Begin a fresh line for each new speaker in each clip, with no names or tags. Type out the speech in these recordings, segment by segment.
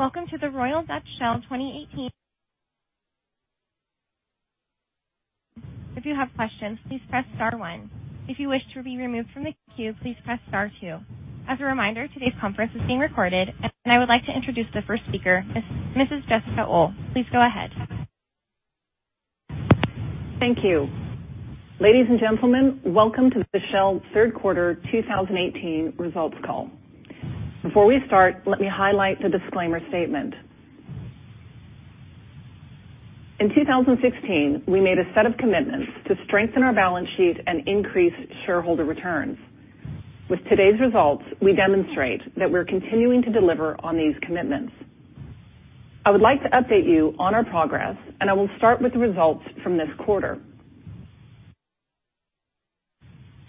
Welcome to the Royal Dutch Shell 2018. If you have questions, please press star one. If you wish to be removed from the queue, please press star two. As a reminder, today's conference is being recorded. I would like to introduce the first speaker, Mrs. Jessica Uhl. Please go ahead.
Thank you. Ladies and gentlemen, welcome to the Shell third quarter 2018 results call. Before we start, let me highlight the disclaimer statement. In 2016, we made a set of commitments to strengthen our balance sheet and increase shareholder returns. With today's results, we demonstrate that we're continuing to deliver on these commitments. I would like to update you on our progress. I will start with the results from this quarter.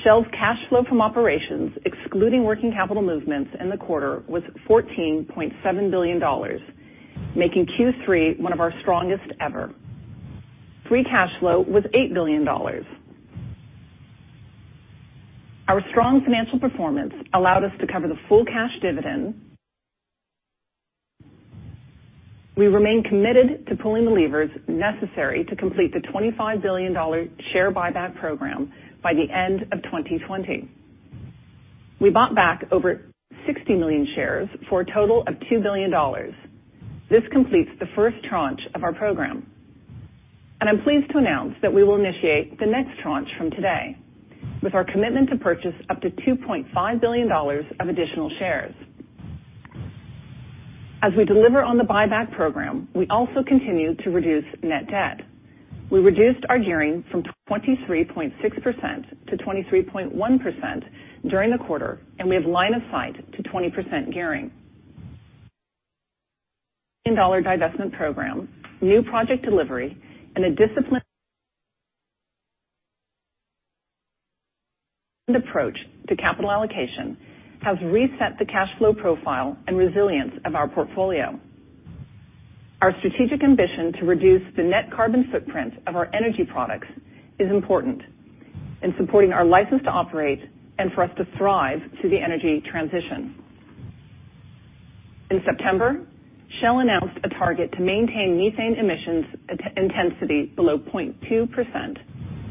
Shell's cash flow from operations, excluding working capital movements in the quarter, was $14.7 billion, making Q3 one of our strongest ever. Free cash flow was $8 billion. Our strong financial performance allowed us to cover the full cash dividend. We remain committed to pulling the levers necessary to complete the $25 billion share buyback program by the end of 2020. We bought back over 60 million shares for a total of $2 billion. This completes the first tranche of our program. I'm pleased to announce that we will initiate the next tranche from today, with our commitment to purchase up to $2.5 billion of additional shares. As we deliver on the buyback program, we also continue to reduce net debt. We reduced our gearing from 23.6% to 23.1% during the quarter. We have line of sight to 20% gearing. Divestment program, new project delivery, and a disciplined approach to capital allocation has reset the cash flow profile and resilience of our portfolio. Our strategic ambition to reduce the net carbon footprint of our energy products is important in supporting our license to operate and for us to thrive through the energy transition. In September, Shell announced a target to maintain methane emissions intensity below 0.2%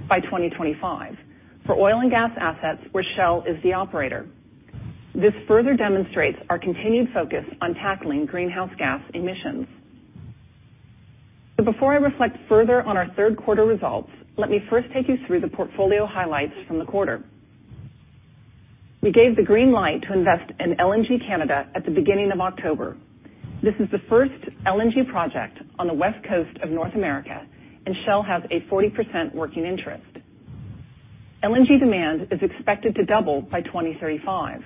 by 2025 for oil and gas assets where Shell is the operator. This further demonstrates our continued focus on tackling greenhouse gas emissions. Before I reflect further on our third quarter results, let me first take you through the portfolio highlights from the quarter. We gave the green light to invest in LNG Canada at the beginning of October. This is the first LNG project on the West Coast of North America. Shell has a 40% working interest. LNG demand is expected to double by 2035.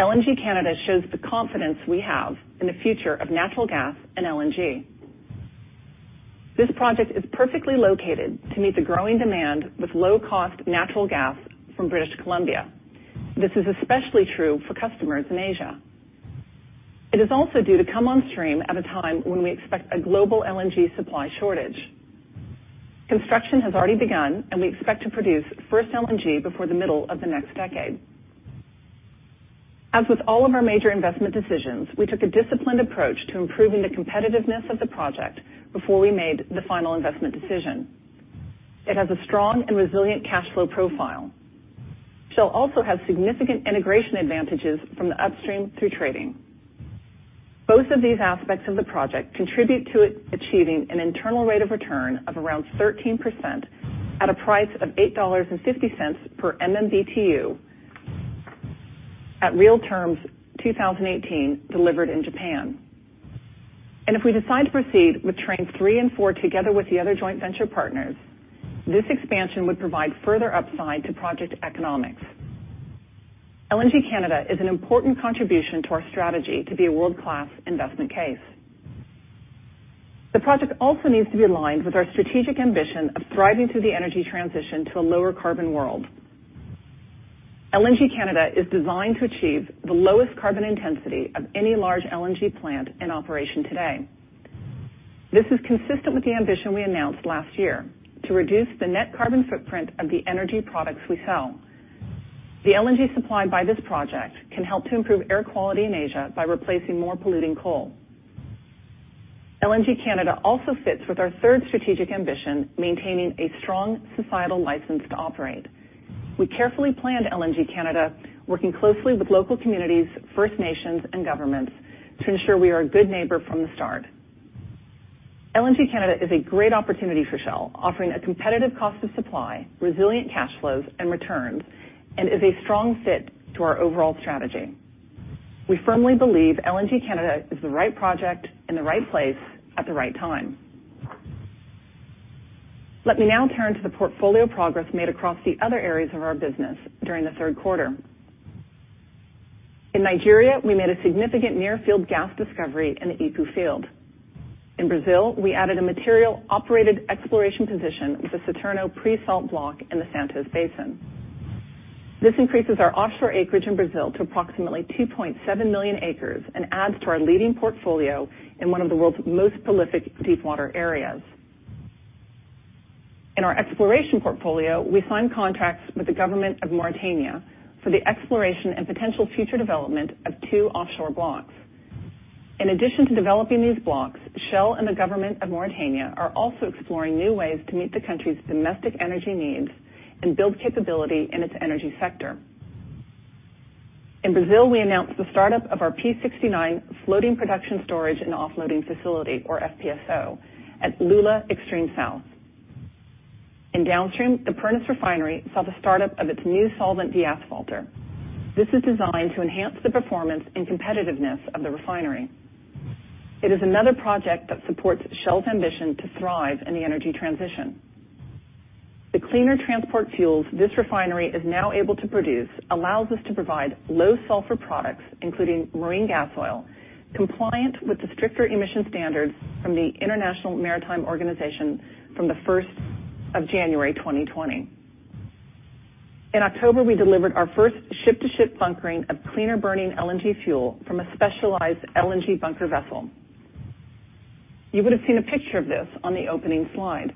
LNG Canada shows the confidence we have in the future of natural gas and LNG. This project is perfectly located to meet the growing demand with low-cost natural gas from British Columbia. This is especially true for customers in Asia. It is also due to come on stream at a time when we expect a global LNG supply shortage. Construction has already begun. We expect to produce first LNG before the middle of the next decade. As with all of our major investment decisions, we took a disciplined approach to improving the competitiveness of the project before we made the final investment decision. It has a strong and resilient cash flow profile. Shell also has significant integration advantages from the upstream through trading. Both of these aspects of the project contribute to it achieving an internal rate of return of around 13% at a price of $8.50 per MMBtu at real terms 2018 delivered in Japan. If we decide to proceed with trains 3 and 4 together with the other joint venture partners, this expansion would provide further upside to project economics. LNG Canada is an important contribution to our strategy to be a world-class investment case. The project also needs to be aligned with our strategic ambition of thriving through the energy transition to a lower carbon world. LNG Canada is designed to achieve the lowest carbon intensity of any large LNG plant in operation today. This is consistent with the ambition we announced last year to reduce the net carbon footprint of the energy products we sell. The LNG supplied by this project can help to improve air quality in Asia by replacing more polluting coal. LNG Canada also fits with our third strategic ambition, maintaining a strong societal license to operate. We carefully planned LNG Canada, working closely with local communities, First Nations, and governments to ensure we are a good neighbor from the start. LNG Canada is a great opportunity for Shell, offering a competitive cost of supply, resilient cash flows and returns, and is a strong fit to our overall strategy. We firmly believe LNG Canada is the right project in the right place at the right time. Let me now turn to the portfolio progress made across the other areas of our business during the third quarter. In Nigeria, we made a significant near-field gas discovery in the Epu field. In Brazil, we added a material operated exploration position with the Saturno pre-salt block in the Santos Basin. This increases our offshore acreage in Brazil to approximately 2.7 million acres and adds to our leading portfolio in one of the world's most prolific deepwater areas. In our exploration portfolio, we signed contracts with the government of Mauritania for the exploration and potential future development of two offshore blocks. In addition to developing these blocks, Shell and the government of Mauritania are also exploring new ways to meet the country's domestic energy needs and build capability in its energy sector. In Brazil, we announced the start-up of our P-69 floating production, storage and offloading facility, or FPSO, at Lula extreme south. In downstream, the Pernis Refinery saw the start-up of its new solvent deasphalter. This is designed to enhance the performance and competitiveness of the refinery. It is another project that supports Shell's ambition to thrive in the energy transition. The cleaner transport fuels this refinery is now able to produce allows us to provide low sulfur products, including marine gas oil, compliant with the stricter emission standards from the International Maritime Organization from the first of January 2020. In October, we delivered our first ship-to-ship bunkering of cleaner-burning LNG fuel from a specialized LNG bunker vessel. You would have seen a picture of this on the opening slide.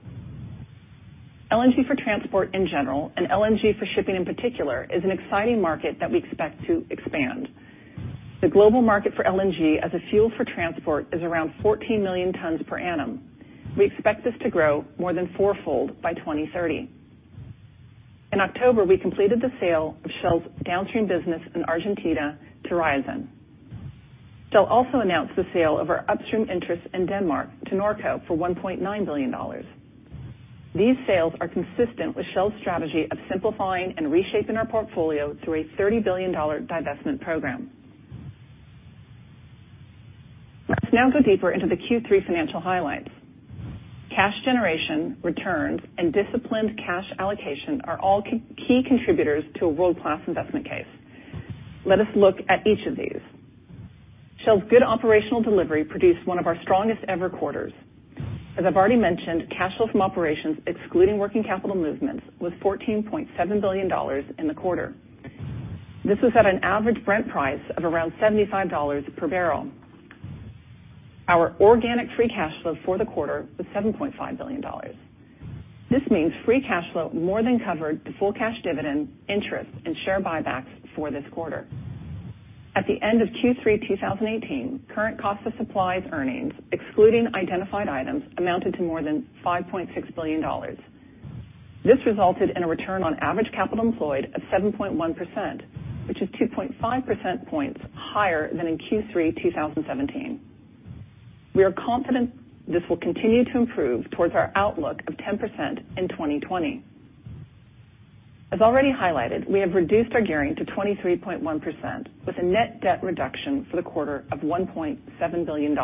LNG for transport in general and LNG for shipping in particular is an exciting market that we expect to expand. The global market for LNG as a fuel for transport is around 14 million tons per annum. We expect this to grow more than fourfold by 2030. In October, we completed the sale of Shell's downstream business in Argentina to Raízen. Shell also announced the sale of our upstream interests in Denmark to Noreco for $1.9 billion. These sales are consistent with Shell's strategy of simplifying and reshaping our portfolio through a $30 billion divestment program. Let's now go deeper into the Q3 financial highlights. Cash generation, returns, and disciplined cash allocation are all key contributors to a world-class investment case. Let us look at each of these. Shell's good operational delivery produced one of our strongest ever quarters. As I've already mentioned, cash flow from operations, excluding working capital movements, was $14.7 billion in the quarter. This was at an average Brent price of around $75 per barrel. Our organic free cash flow for the quarter was $7.5 billion. This means free cash flow more than covered the full cash dividend, interest, and share buybacks for this quarter. At the end of Q3 2018, current cost of supplies earnings, excluding identified items, amounted to more than $5.6 billion. This resulted in a return on average capital employed of 7.1%, which is 2.5 percentage points higher than in Q3 2017. We are confident this will continue to improve towards our outlook of 10% in 2020. As already highlighted, we have reduced our gearing to 23.1%, with a net debt reduction for the quarter of $1.7 billion.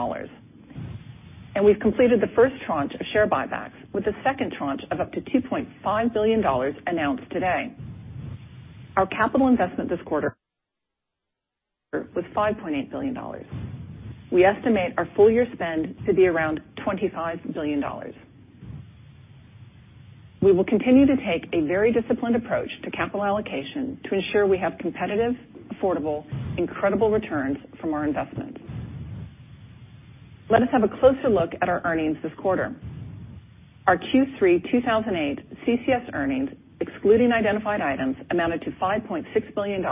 We've completed the first tranche of share buybacks, with the second tranche of up to $2.5 billion announced today. Our capital investment this quarter was $5.8 billion. We estimate our full-year spend to be around $25 billion. We will continue to take a very disciplined approach to capital allocation to ensure we have competitive, affordable, and incredible returns from our investment. Let us have a closer look at our earnings this quarter. Our Q3 2018 CCS earnings, excluding identified items, amounted to $5.6 billion,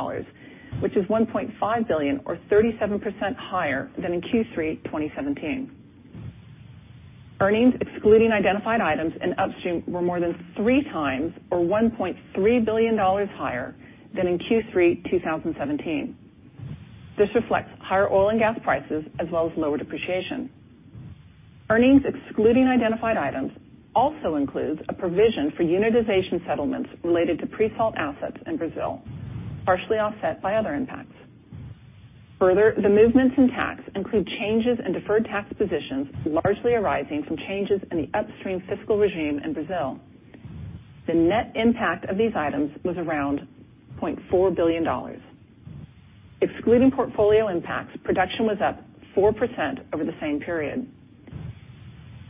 which is $1.5 billion or 37% higher than in Q3 2017. Earnings, excluding identified items in upstream, were more than three times or $1.3 billion higher than in Q3 2017. This reflects higher oil and gas prices as well as lower depreciation. Earnings, excluding identified items, also includes a provision for unitization settlements related to pre-salt assets in Brazil, partially offset by other impacts. Further, the movements in tax include changes in deferred tax positions, largely arising from changes in the upstream fiscal regime in Brazil. The net impact of these items was around $0.4 billion. Excluding portfolio impacts, production was up 4% over the same period.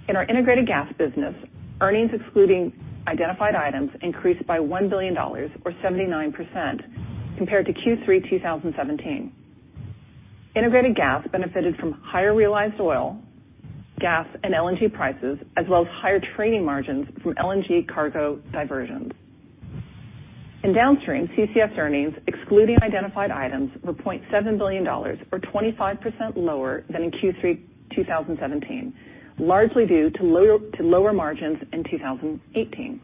In our integrated gas business, earnings excluding identified items increased by $1 billion or 79% compared to Q3 2017. Integrated gas benefited from higher realized oil, gas, and LNG prices as well as higher trading margins from LNG cargo diversions. In downstream, CCS earnings, excluding identified items, were $0.7 billion or 25% lower than in Q3 2017, largely due to lower margins in 2018.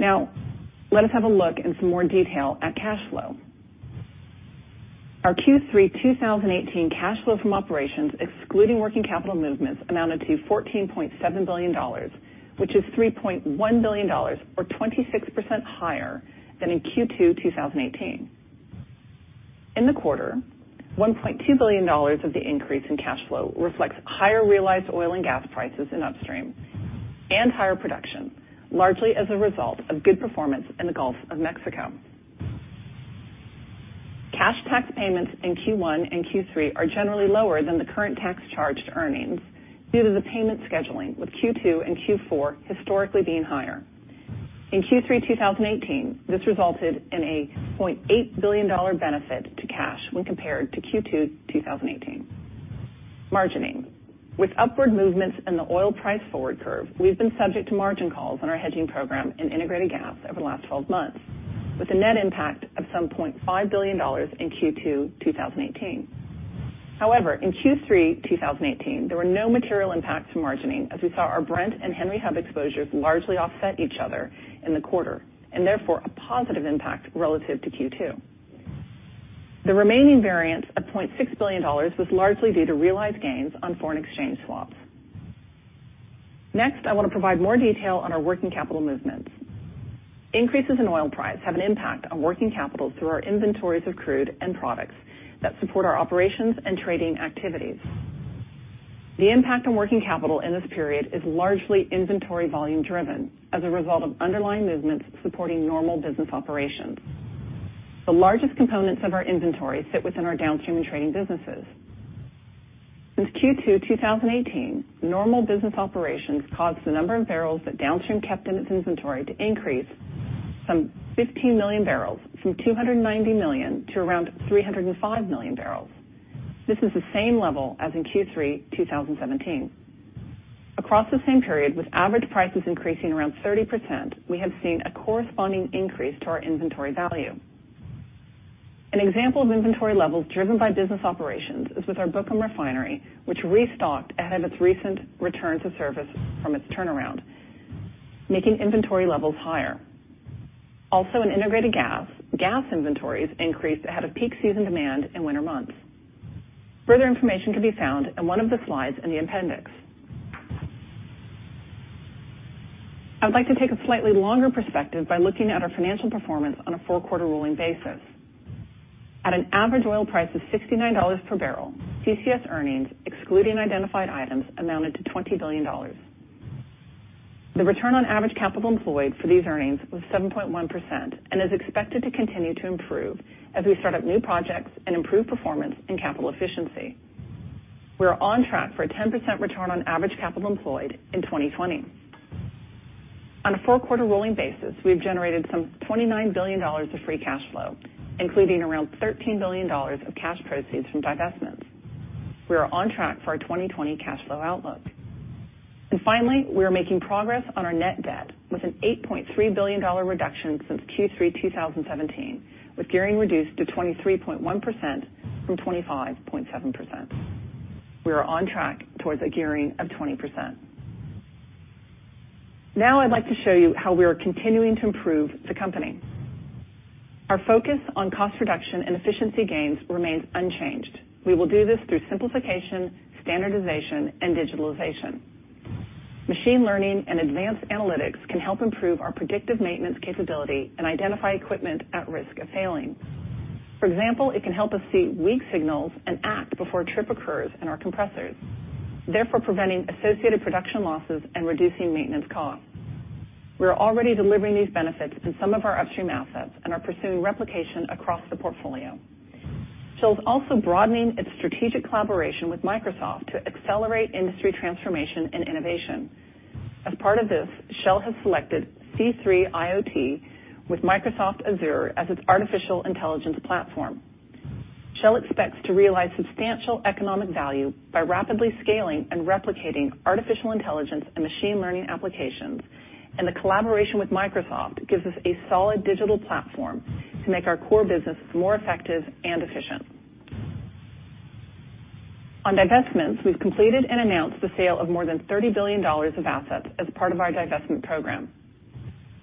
Now, let us have a look in some more detail at cash flow. Our Q3 2018 cash flow from operations, excluding working capital movements, amounted to $14.7 billion, which is $3.1 billion or 26% higher than in Q2 2018. In the quarter, $1.2 billion of the increase in cash flow reflects higher realized oil and gas prices in upstream and higher production, largely as a result of good performance in the Gulf of Mexico. Cash tax payments in Q1 and Q3 are generally lower than the current tax charged earnings due to the payment scheduling, with Q2 and Q4 historically being higher. In Q3 2018, this resulted in a $0.8 billion benefit to cash when compared to Q2 2018. Margining. With upward movements in the oil price forward curve, we've been subject to margin calls on our hedging program in integrated gas over the last 12 months, with a net impact of some $0.5 billion in Q2 2018. However, in Q3 2018, there were no material impacts from margining, as we saw our Brent and Henry Hub exposures largely offset each other in the quarter, and therefore a positive impact relative to Q2. The remaining variance of $0.6 billion was largely due to realized gains on foreign exchange swaps. Next, I want to provide more detail on our working capital movements. Increases in oil price have an impact on working capital through our inventories of crude and products that support our operations and trading activities. The impact on working capital in this period is largely inventory volume driven as a result of underlying movements supporting normal business operations. The largest components of our inventory sit within our downstream trading businesses. Since Q2 2018, normal business operations caused the number of barrels that downstream kept in its inventory to increase some 15 million barrels from 290 million to around 305 million barrels. This is the same level as in Q3 2017. Across the same period, with average prices increasing around 30%, we have seen a corresponding increase to our inventory value. An example of inventory levels driven by business operations is with our Bukom refinery, which restocked ahead of its recent return to service from its turnaround, making inventory levels higher. Also, in integrated gas inventories increased ahead of peak season demand in winter months. Further information can be found in one of the slides in the appendix. I'd like to take a slightly longer perspective by looking at our financial performance on a four-quarter rolling basis. At an average oil price of $69 per barrel, CCS earnings excluding identified items amounted to $20 billion. The return on average capital employed for these earnings was 7.1% and is expected to continue to improve as we start up new projects and improve performance in capital efficiency. We are on track for a 10% return on average capital employed in 2020. On a four-quarter rolling basis, we've generated some $29 billion of free cash flow, including around $13 billion of cash proceeds from divestments. We are on track for our 2020 cash flow outlook. Finally, we are making progress on our net debt with an $8.3 billion reduction since Q3 2017, with gearing reduced to 23.1% from 25.7%. We are on track towards a gearing of 20%. Now I'd like to show you how we are continuing to improve the company. Our focus on cost reduction and efficiency gains remains unchanged. We will do this through simplification, standardization, and digitalization. Machine learning and advanced analytics can help improve our predictive maintenance capability and identify equipment at risk of failing. For example, it can help us see weak signals and act before a trip occurs in our compressors, therefore preventing associated production losses and reducing maintenance costs. We are already delivering these benefits in some of our upstream assets and are pursuing replication across the portfolio. Shell's also broadening its strategic collaboration with Microsoft to accelerate industry transformation and innovation. As part of this, Shell has selected C3.ai with Microsoft Azure as its artificial intelligence platform. Shell expects to realize substantial economic value by rapidly scaling and replicating artificial intelligence and machine learning applications. The collaboration with Microsoft gives us a solid digital platform to make our core business more effective and efficient. On divestments, we've completed and announced the sale of more than $30 billion of assets as part of our divestment program.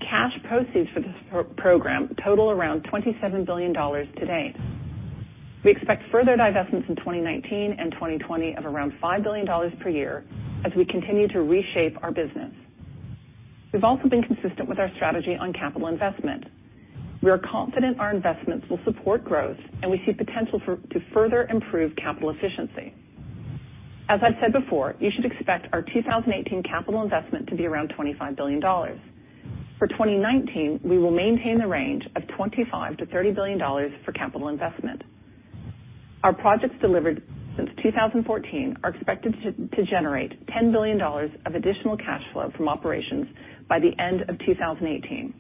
Cash proceeds for this program total around $27 billion to date. We expect further divestments in 2019 and 2020 of around $5 billion per year as we continue to reshape our business. We've also been consistent with our strategy on capital investment. We are confident our investments will support growth, and we see potential to further improve capital efficiency. As I've said before, you should expect our 2018 capital investment to be around $25 billion. For 2019, we will maintain the range of $25 billion-$30 billion for capital investment. Our projects delivered since 2014 are expected to generate $10 billion of additional cash flow from operations by the end of 2018,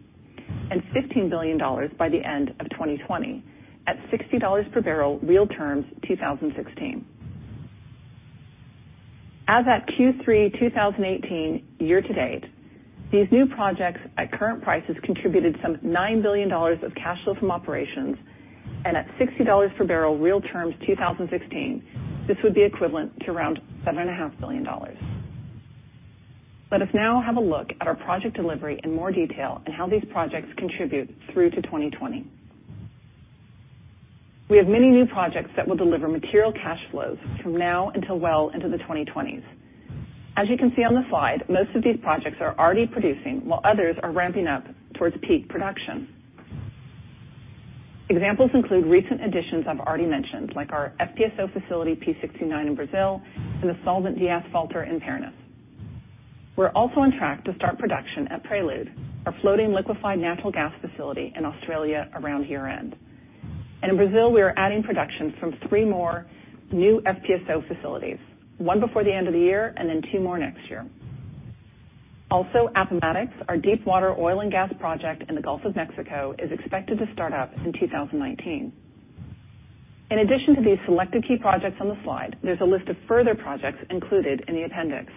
and $15 billion by the end of 2020, at $60 per barrel real terms 2016. As at Q3 2018, year to date, these new projects at current prices contributed some $9 billion of cash flow from operations, and at $60 per barrel real terms 2016, this would be equivalent to around $7.5 billion. Let us now have a look at our project delivery in more detail and how these projects contribute through to 2020. We have many new projects that will deliver material cash flows from now until well into the 2020s. As you can see on the slide, most of these projects are already producing, while others are ramping up towards peak production. Examples include recent additions I've already mentioned, like our FPSO facility P-69 in Brazil and the solvent deasphalter in Pernis. We're also on track to start production at Prelude, our floating liquefied natural gas facility in Australia around year-end. In Brazil, we are adding production from three more new FPSO facilities, one before the end of the year and then two more next year. Appomattox, our deepwater oil and gas project in the Gulf of Mexico, is expected to start up in 2019. In addition to these selected key projects on the slide, there's a list of further projects included in the appendix.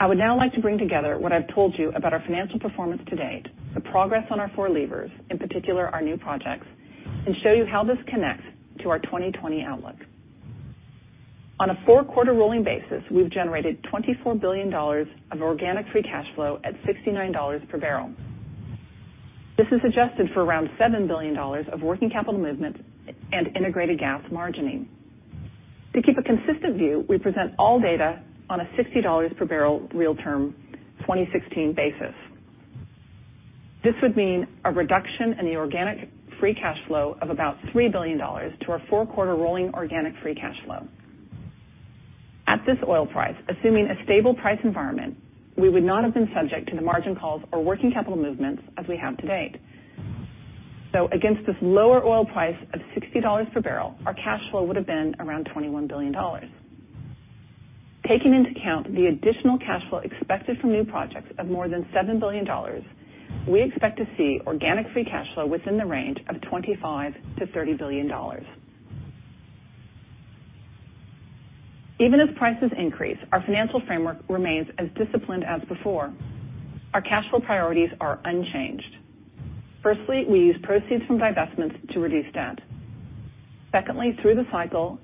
I would now like to bring together what I've told you about our financial performance to date, the progress on our four levers, in particular our new projects, and show you how this connects to our 2020 outlook. On a four-quarter rolling basis, we've generated $24 billion of organic free cash flow at $69 per barrel. This is adjusted for around $7 billion of working capital movement and integrated gas margining. To keep a consistent view, we present all data on a $60 per barrel real-term 2016 basis. This would mean a reduction in the organic free cash flow of about $3 billion to our four-quarter rolling organic free cash flow. At this oil price, assuming a stable price environment, we would not have been subject to the margin calls or working capital movements as we have to date. Against this lower oil price of $60 per barrel, our cash flow would have been around $21 billion. Taking into account the additional cash flow expected from new projects of more than $7 billion, we expect to see organic free cash flow within the range of $25 billion-$30 billion. Even as prices increase, our financial framework remains as disciplined as before. Our cash flow priorities are unchanged. Firstly, we use proceeds from divestments to reduce debt. Secondly, through the cycle,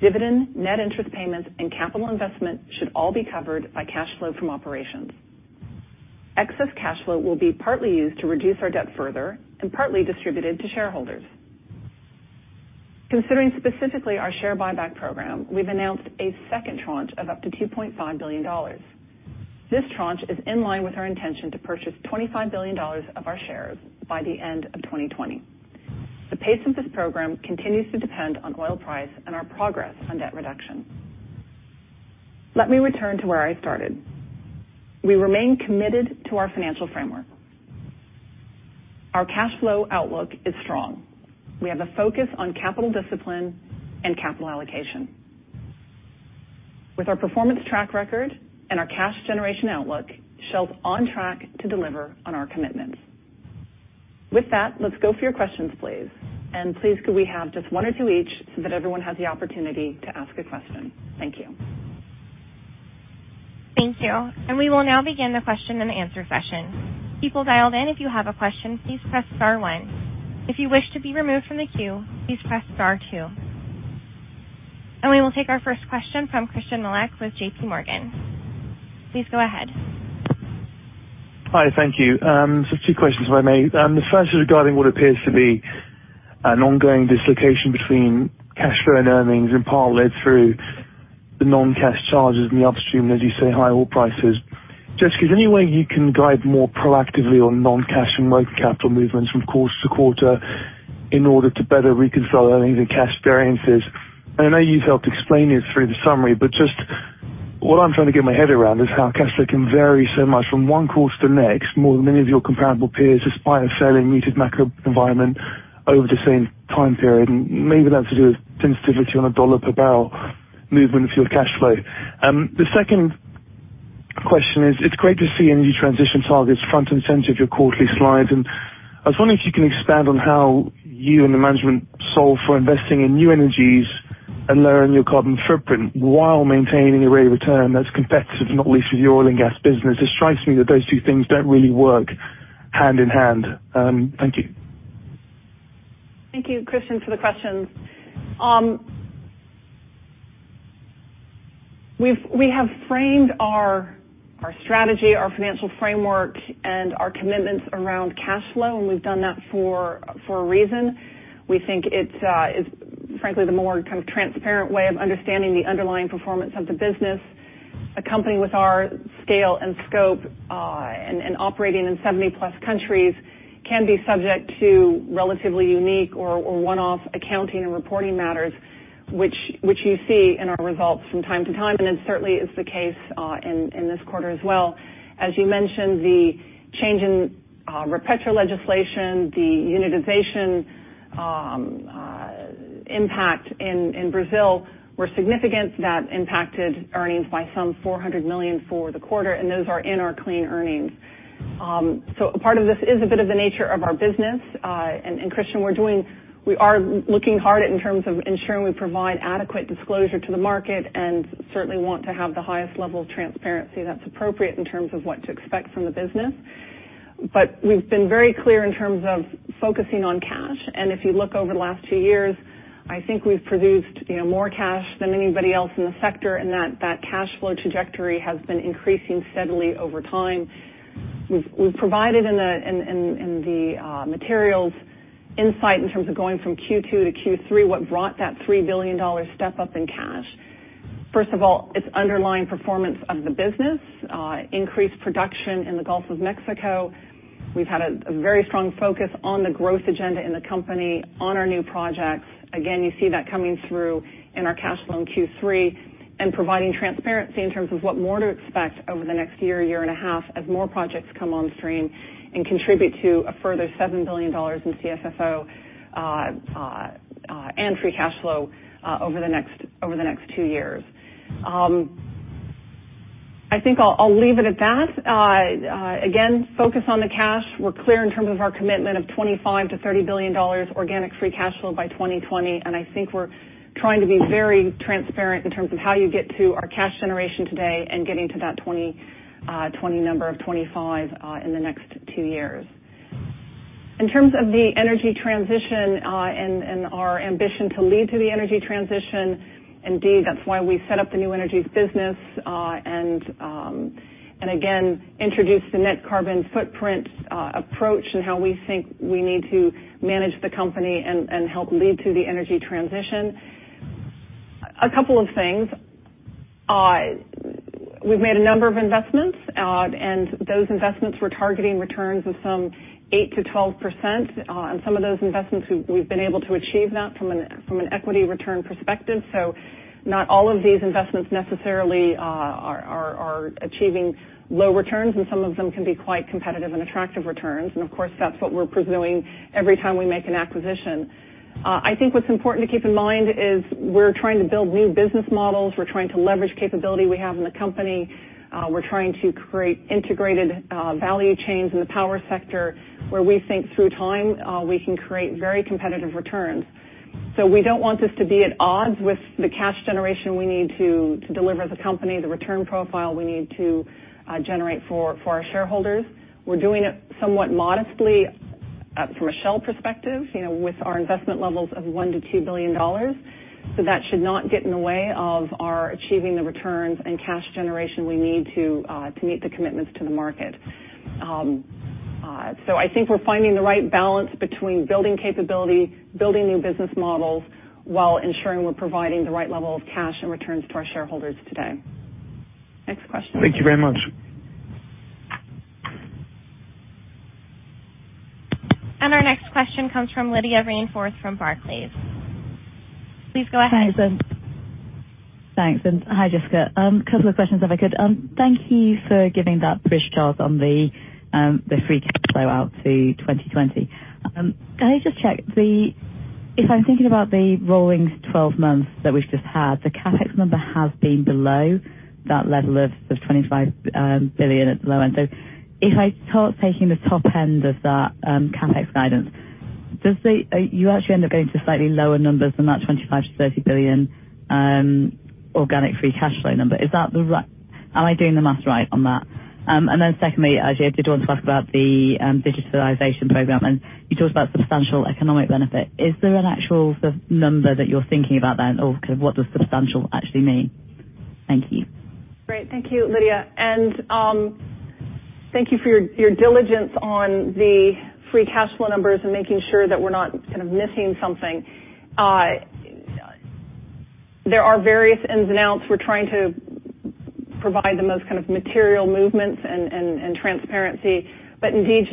dividend, net interest payments, and capital investment should all be covered by cash flow from operations. Excess cash flow will be partly used to reduce our debt further and partly distributed to shareholders. Considering specifically our share buyback program, we've announced a second tranche of up to $2.5 billion. This tranche is in line with our intention to purchase $25 billion of our shares by the end of 2020. The pace of this program continues to depend on oil price and our progress on debt reduction. Let me return to where I started. We remain committed to our financial framework. Our cash flow outlook is strong. We have a focus on capital discipline and capital allocation. With our performance track record and our cash generation outlook, Shell's on track to deliver on our commitments. With that, let's go for your questions, please. Please, could we have just one or two each so that everyone has the opportunity to ask a question? Thank you.
Thank you. We will now begin the question and answer session. People dialed in, if you have a question, please press star one. If you wish to be removed from the queue, please press star two. We will take our first question from Christyan Malek with J.P. Morgan. Please go ahead.
Hi, thank you. Just two questions, if I may. The first is regarding what appears to be an ongoing dislocation between cash flow and earnings, in part led through the non-cash charges in the upstream, and as you say, high oil prices. Jessica, is there any way you can guide more proactively on non-cash and working capital movements from quarter to quarter in order to better reconcile earnings and cash variances? I know you've helped explain it through the summary, but just what I'm trying to get my head around is how cash flow can vary so much from one quarter to the next more than many of your comparable peers, despite a fairly muted macro environment over the same time period, and may be that to do with sensitivity on a $ per barrel movement of your cash flow. The second question is, it's great to see energy transition targets front and center of your quarterly slides, and I was wondering if you can expand on how you and the management solve for investing in new energies and lower your carbon footprint while maintaining a rate of return that's competitive, not least with the oil and gas business. It strikes me that those two things don't really work hand in hand. Thank you.
Thank you, Christyan, for the questions. We have framed our strategy, our financial framework, and our commitments around cash flow, and we've done that for a reason. We think it's frankly the more kind of transparent way of understanding the underlying performance of the business. A company with our scale and scope and operating in 70-plus countries can be subject to relatively unique or one-off accounting and reporting matters, which you see in our results from time to time, and it certainly is the case in this quarter as well. As you mentioned, the change in Repetro legislation, the unitization impact in Brazil were significant. That impacted earnings by some $400 million for the quarter, and those are in our clean earnings. A part of this is a bit of the nature of our business. Christyan, we are looking hard at in terms of ensuring we provide adequate disclosure to the market and certainly want to have the highest level of transparency that's appropriate in terms of what to expect from the business. We've been very clear in terms of focusing on cash, and if you look over the last two years, I think we've produced more cash than anybody else in the sector, and that cash flow trajectory has been increasing steadily over time. We've provided in the materials insight in terms of going from Q2 to Q3 what brought that $3 billion step-up in cash. First of all, it's underlying performance of the business, increased production in the Gulf of Mexico. We've had a very strong focus on the growth agenda in the company on our new projects. Again, you see that coming through in our cash flow in Q3 and providing transparency in terms of what more to expect over the next year and a half, as more projects come on stream and contribute to a further $7 billion in CFFO and free cash flow over the next two years. I think I'll leave it at that. Again, focus on the cash. We're clear in terms of our commitment of $25 billion-$30 billion organic free cash flow by 2020, and I think we're trying to be very transparent in terms of how you get to our cash generation today and getting to that 2020 number of $25 billion in the next two years. In terms of the energy transition, our ambition to lead to the energy transition, indeed, that's why we set up the new energies business. Again, introduced the net carbon footprint approach and how we think we need to manage the company and help lead to the energy transition. A couple of things. We've made a number of investments, those investments were targeting returns of some 8%-12%. Some of those investments we've been able to achieve that from an equity return perspective. Not all of these investments necessarily are achieving low returns. Some of them can be quite competitive and attractive returns. Of course, that's what we're pursuing every time we make an acquisition. I think what's important to keep in mind is we're trying to build new business models. We're trying to leverage capability we have in the company. We're trying to create integrated value chains in the power sector, where we think through time, we can create very competitive returns. We don't want this to be at odds with the cash generation we need to deliver the company, the return profile we need to generate for our shareholders. We're doing it somewhat modestly from a Shell perspective, with our investment levels of $1 billion-$2 billion. That should not get in the way of our achieving the returns and cash generation we need to meet the commitments to the market. I think we're finding the right balance between building capability, building new business models, while ensuring we're providing the right level of cash and returns for our shareholders today. Next question.
Thank you very much.
Our next question comes from Lydia Rainforth from Barclays. Please go ahead.
Thanks. Hi, Jessica. Couple of questions if I could. Thank you for giving that fresh chart on the free cash flow out to 2020. Can I just check, if I'm thinking about the rolling 12 months that we've just had, the CapEx number has been below that level of $25 billion at the low end. If I start taking the top end of that CapEx guidance, you actually end up getting to slightly lower numbers than that $25 billion to $30 billion organic free cash flow number. Am I doing the math right on that? Secondly, I actually did want to talk about the digitalization program, and you talked about substantial economic benefit. Is there an actual number that you're thinking about then, or what does substantial actually mean? Thank you.
Great. Thank you, Lydia. Thank you for your diligence on the free cash flow numbers and making sure that we're not kind of missing something. There are various ins and outs. We're trying to provide the most material movements and transparency. Indeed,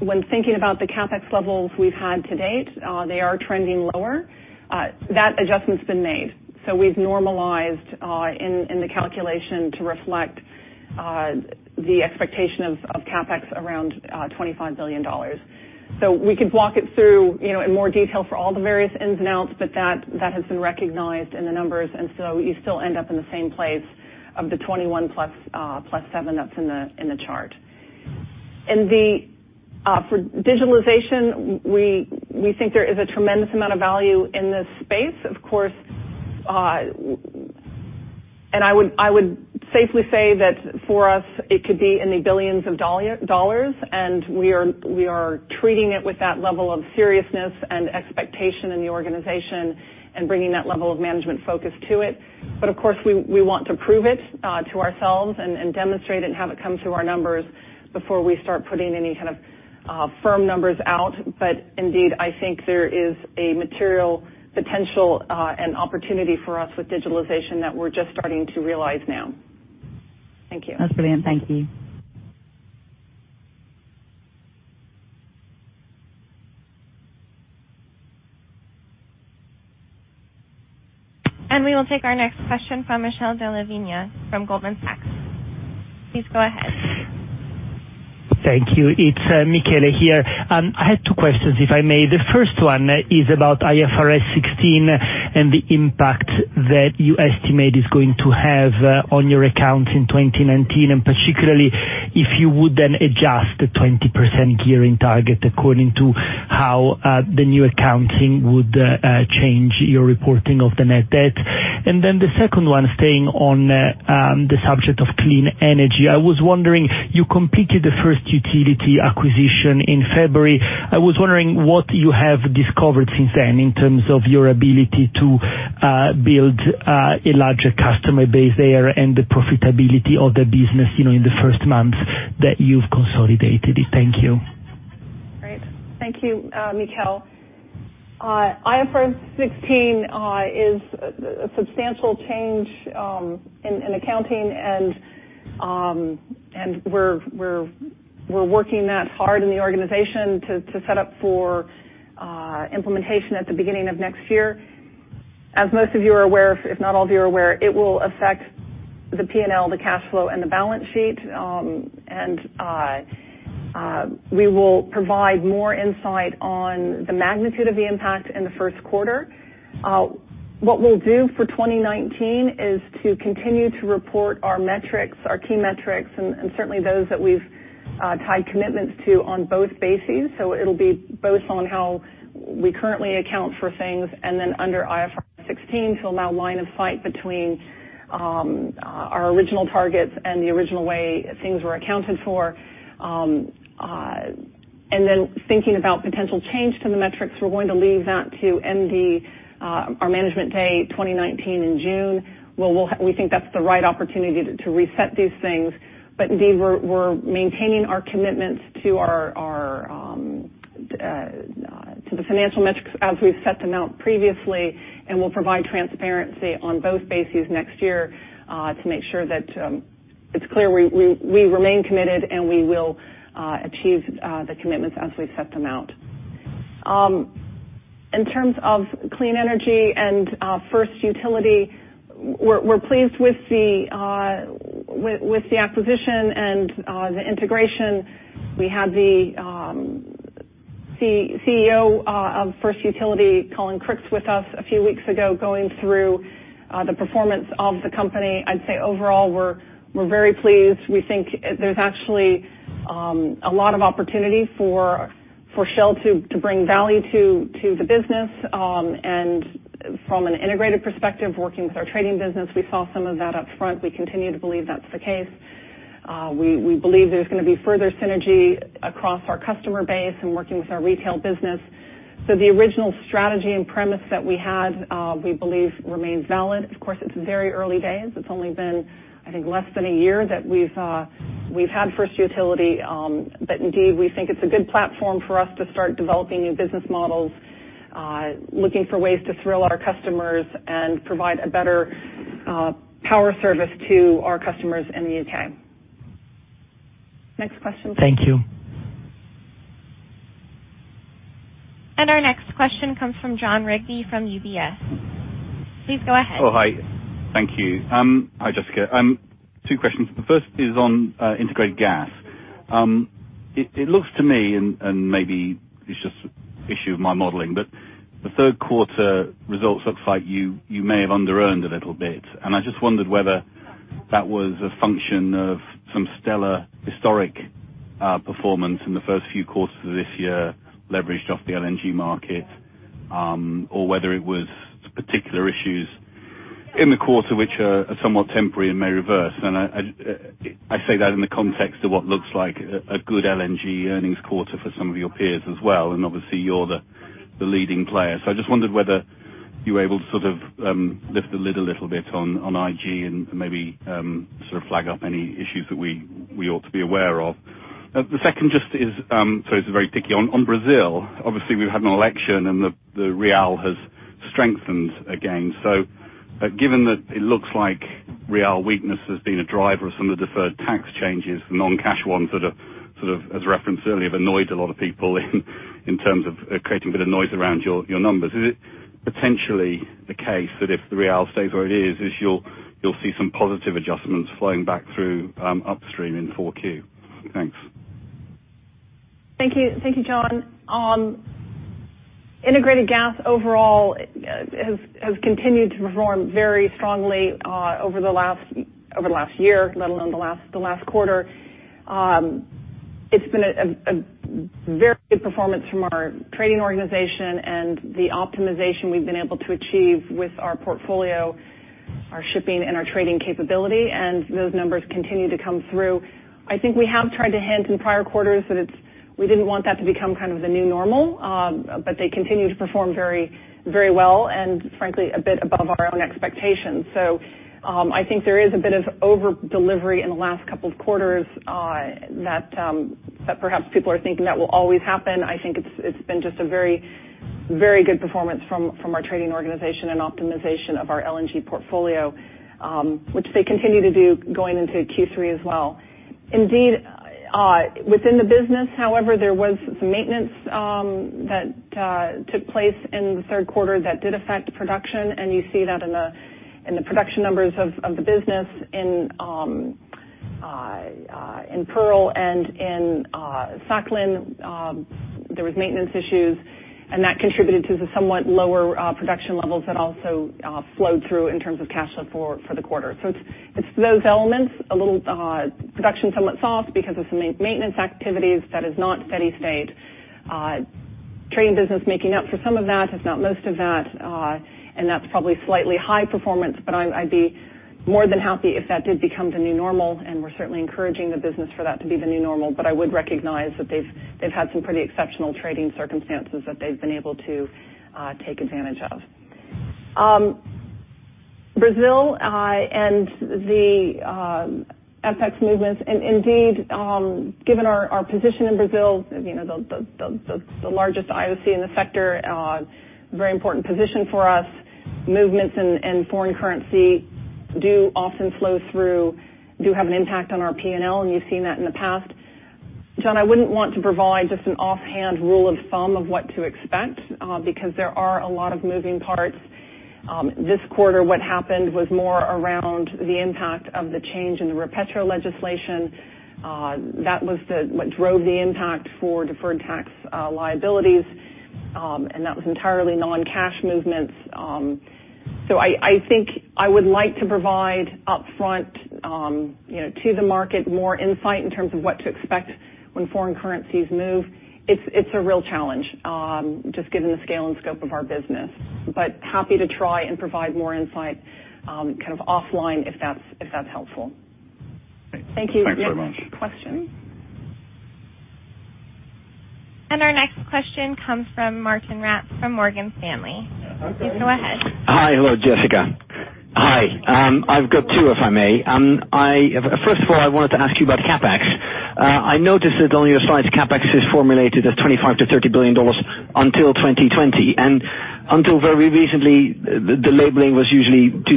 when thinking about the CapEx levels we've had to date, they are trending lower. That adjustment's been made. We've normalized in the calculation to reflect the expectation of CapEx around $25 billion. We could walk it through in more detail for all the various ins and outs, but that has been recognized in the numbers, and you still end up in the same place of the 21 plus 7 that's in the chart. For digitalization, we think there is a tremendous amount of value in this space, of course. I would safely say that for us, it could be in the billions of dollars, and we are treating it with that level of seriousness and expectation in the organization and bringing that level of management focus to it. Of course, we want to prove it to ourselves and demonstrate it and have it come through our numbers before we start putting any kind of firm numbers out. Indeed, I think there is a material potential and opportunity for us with digitalization that we're just starting to realize now. Thank you.
That's brilliant. Thank you.
We will take our next question from Michele Della Vigna from Goldman Sachs. Please go ahead.
Thank you. It's Michele here. I had two questions, if I may. The first one is about IFRS 16 and the impact that you estimate is going to have on your accounts in 2019, particularly if you would then adjust the 20% gearing target according to how the new accounting would change your reporting of the net debt. The second one, staying on the subject of clean energy. You completed the First Utility acquisition in February. I was wondering what you have discovered since then in terms of your ability to build a larger customer base there and the profitability of the business in the first months that you've consolidated it. Thank you.
Great. Thank you, Michele. IFRS 16 is a substantial change in accounting, we're working that hard in the organization to set up for implementation at the beginning of next year. As most of you are aware, if not all of you are aware, it will affect the P&L, the cash flow and the balance sheet. We will provide more insight on the magnitude of the impact in the first quarter. What we'll do for 2019 is to continue to report our key metrics and certainly those that we've tied commitments to on both bases. It'll be both on how we currently account for things and then under IFRS 16 to allow line of sight between our original targets and the original way things were accounted for. Thinking about potential change to the metrics, we're going to leave that to our management day 2019 in June. We think that's the right opportunity to reset these things. Indeed, we're maintaining our commitments to the financial metrics as we've set them out previously, we'll provide transparency on both bases next year to make sure that it's clear we remain committed and we will achieve the commitments as we've set them out. In terms of clean energy and First Utility, we're pleased with the acquisition and the integration. We had the CEO of First Utility, Colin Crooks, with us a few weeks ago, going through the performance of the company. I'd say overall we're very pleased. We think there's actually a lot of opportunity for Shell to bring value to the business. From an integrated perspective, working with our trading business, we saw some of that up front. We continue to believe that's the case. We believe there's going to be further synergy across our customer base and working with our retail business. The original strategy and premise that we had, we believe remains valid. Of course, it's very early days. It's only been, I think, less than a year that we've had First Utility. Indeed, we think it's a good platform for us to start developing new business models, looking for ways to thrill our customers and provide a better power service to our customers in the U.K. Next question.
Thank you.
Our next question comes from Jon Rigby from UBS. Please go ahead.
Hi. Thank you. Hi, Jessica. Two questions. The first is on integrated gas. It looks to me, and maybe it's just an issue of my modeling, but the third quarter results looks like you may have underearned a little bit. I just wondered whether that was a function of some stellar historic performance in the first few quarters of this year, leveraged off the LNG market, or whether it was particular issues in the quarter which are somewhat temporary and may reverse. I say that in the context of what looks like a good LNG earnings quarter for some of your peers as well, and obviously you're the leading player. I just wondered whether you were able to sort of lift the lid a little bit on IG and maybe sort of flag up any issues that we ought to be aware of. The second just is, sorry it's very picky, on Brazil. Obviously, we've had an election and the real has strengthened again. Given that it looks like real weakness has been a driver of some of the deferred tax changes, the non-cash ones that have sort of, as referenced earlier, have annoyed a lot of people in terms of creating a bit of noise around your numbers. Is it potentially the case that if the real stays where it is, you'll see some positive adjustments flowing back through upstream in 4Q? Thanks.
Thank you, Jon. Integrated gas overall has continued to perform very strongly over the last year, let alone the last quarter. It's been a very good performance from our trading organization and the optimization we've been able to achieve with our portfolio, our shipping, and our trading capability, and those numbers continue to come through. I think we have tried to hint in prior quarters that we didn't want that to become kind of the new normal. They continue to perform very well, and frankly, a bit above our own expectations. I think there is a bit of over-delivery in the last couple of quarters that perhaps people are thinking that will always happen. I think it's been just a very good performance from our trading organization and optimization of our LNG portfolio, which they continue to do going into Q3 as well. Indeed, within the business, however, there was some maintenance that took place in the third quarter that did affect production, and you see that in the production numbers of the business. In Pearl and in Sakhalin, there was maintenance issues, and that contributed to the somewhat lower production levels that also flowed through in terms of cash flow for the quarter. It's those elements, production somewhat soft because of some maintenance activities that is not steady state. Trading business making up for some of that, if not most of that. That's probably slightly high performance, but I'd be more than happy if that did become the new normal, and we're certainly encouraging the business for that to be the new normal. I would recognize that they've had some pretty exceptional trading circumstances that they've been able to take advantage of. Brazil and the FX movements, and indeed, given our position in Brazil, the largest IOC in the sector, very important position for us. Movements in foreign currency do often flow through, do have an impact on our P&L, and you've seen that in the past. Jon, I wouldn't want to provide just an offhand rule of thumb of what to expect, because there are a lot of moving parts. This quarter, what happened was more around the impact of the change in the Repetro legislation. That was what drove the impact for deferred tax liabilities, and that was entirely non-cash movements. I think I would like to provide upfront to the market more insight in terms of what to expect when foreign currencies move. It's a real challenge, just given the scale and scope of our business. Happy to try and provide more insight kind of offline if that's helpful.
Great. Thank you. Thanks very much.
Next question.
Our next question comes from Martijn Rats from Morgan Stanley.
Okay.
Please go ahead.
Hi. Hello, Jessica. Hi. I've got two, if I may. First of all, I wanted to ask you about CapEx. I noticed that on your slide, the CapEx is formulated as $25 billion-$30 billion until 2020. Until very recently, the labeling was usually 2019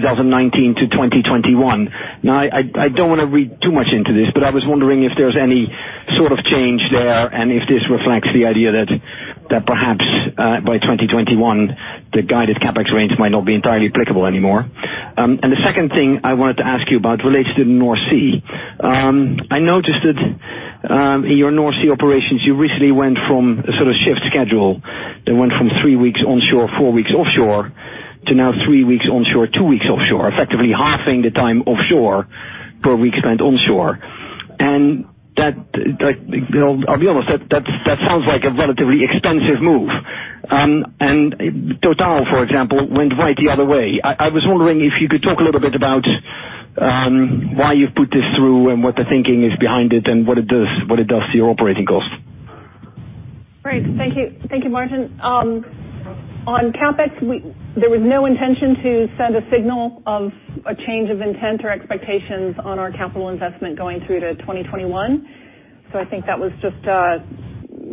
to 2021. I don't want to read too much into this, but I was wondering if there's any sort of change there, and if this reflects the idea that perhaps by 2021, the guided CapEx range might not be entirely applicable anymore. The second thing I wanted to ask you about relates to the North Sea. I noticed that in your North Sea operations, you recently went from a sort of shift schedule that went from three weeks onshore, four weeks offshore, to now three weeks onshore, two weeks offshore, effectively halving the time offshore per week spent onshore. I'll be honest, that sounds like a relatively expensive move. Total, for example, went right the other way. I was wondering if you could talk a little bit about why you've put this through and what the thinking is behind it, and what it does to your operating cost.
Great. Thank you, Martijn. On CapEx, there was no intention to send a signal of a change of intent or expectations on our capital investment going through to 2021. That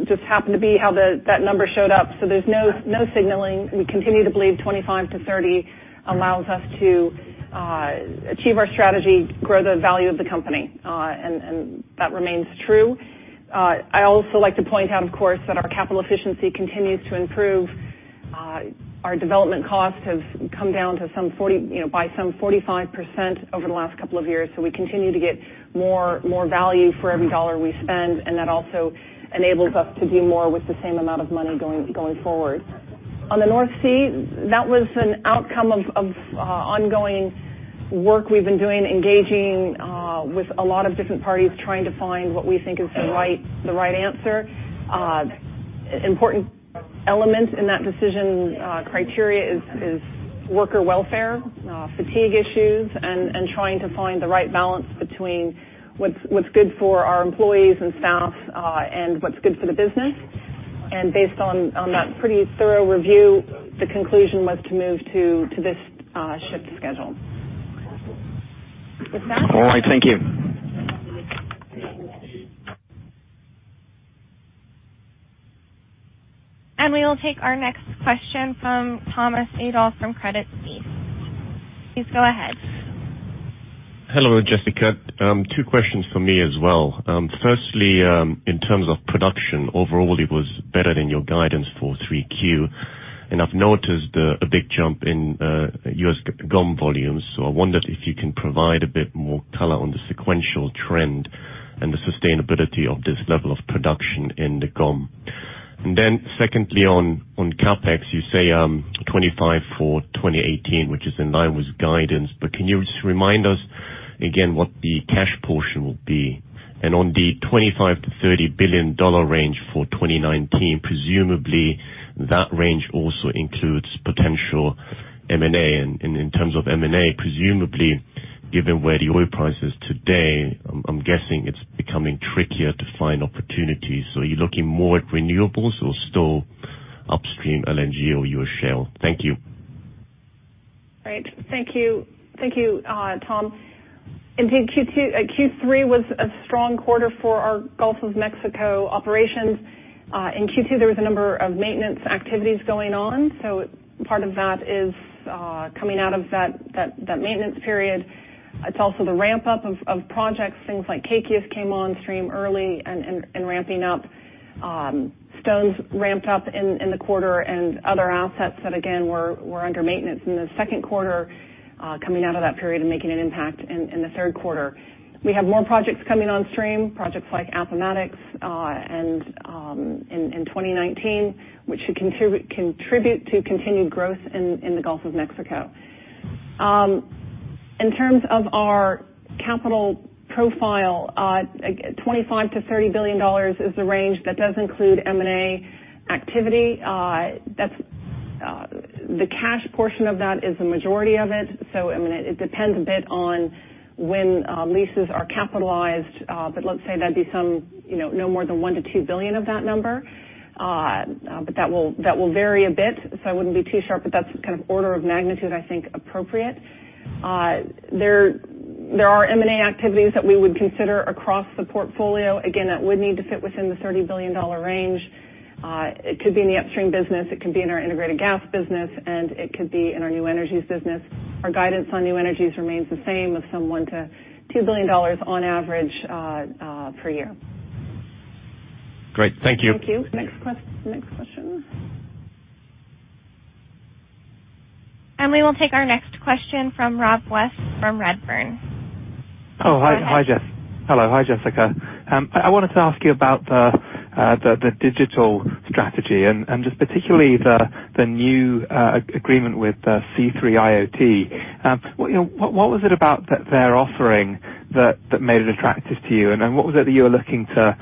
just happened to be how that number showed up. There's no signaling. We continue to believe $25-$30 allows us to achieve our strategy, grow the value of the company. That remains true. I also like to point out, of course, that our capital efficiency continues to improve. Our development cost has come down by some 45% over the last couple of years. We continue to get more value for every dollar we spend, and that also enables us to do more with the same amount of money going forward. On the North Sea, that was an outcome of ongoing work we've been doing, engaging with a lot of different parties, trying to find what we think is the right answer. Important elements in that decision criteria is worker welfare, fatigue issues, and trying to find the right balance between what's good for our employees and staff and what's good for the business. Based on that pretty thorough review, the conclusion was to move to this shift schedule.
All right. Thank you.
We will take our next question from Thomas Adolff from Credit Suisse. Please go ahead.
Hello, Jessica. Two questions from me as well. Firstly, in terms of production, overall, it was better than your guidance for 3Q. I've noticed a big jump in U.S. GOM volumes. I wondered if you can provide a bit more color on the sequential trend and the sustainability of this level of production in the GOM. Secondly, on CapEx, you say $25 billion for 2018, which is in line with guidance. Can you just remind us again what the cash portion will be? On the $25 billion to $30 billion range for 2019, presumably that range also includes potential M&A. In terms of M&A, presumably, given where the oil price is today, I'm guessing it's becoming trickier to find opportunities. Are you looking more at renewables or still upstream LNG or U.S. shale? Thank you.
Great. Thank you, Tom. Indeed, Q3 was a strong quarter for our Gulf of Mexico operations. In Q2, there was a number of maintenance activities going on. Part of that is coming out of that maintenance period. It's also the ramp-up of projects. Things like Kaikias came on stream early and ramping up. Stones ramped up in the quarter, and other assets that, again, were under maintenance in the second quarter, coming out of that period and making an impact in the third quarter. We have more projects coming on stream, projects like Appomattox in 2019, which should contribute to continued growth in the Gulf of Mexico. In terms of our capital profile, $25 billion to $30 billion is the range. That does include M&A activity. The cash portion of that is the majority of it. It depends a bit on when leases are capitalized. Let's say that would be no more than $1 billion to $2 billion of that number. That will vary a bit, so I wouldn't be too sharp, but that's kind of order of magnitude, I think, appropriate. There are M&A activities that we would consider across the portfolio. Again, that would need to fit within the $30 billion range. It could be in the upstream business, it could be in our integrated gas business, and it could be in our new energies business. Our guidance on new energies remains the same, of $1 billion to $2 billion on average per year.
Great. Thank you.
Thank you. Next question?
We will take our next question from Rob West from Redburn. Go ahead.
Oh, hi. Hello. Hi, Jessica. I wanted to ask you about the digital strategy, particularly the new agreement with C3.ai. What was it about their offering that made it attractive to you, and what was it that you were looking to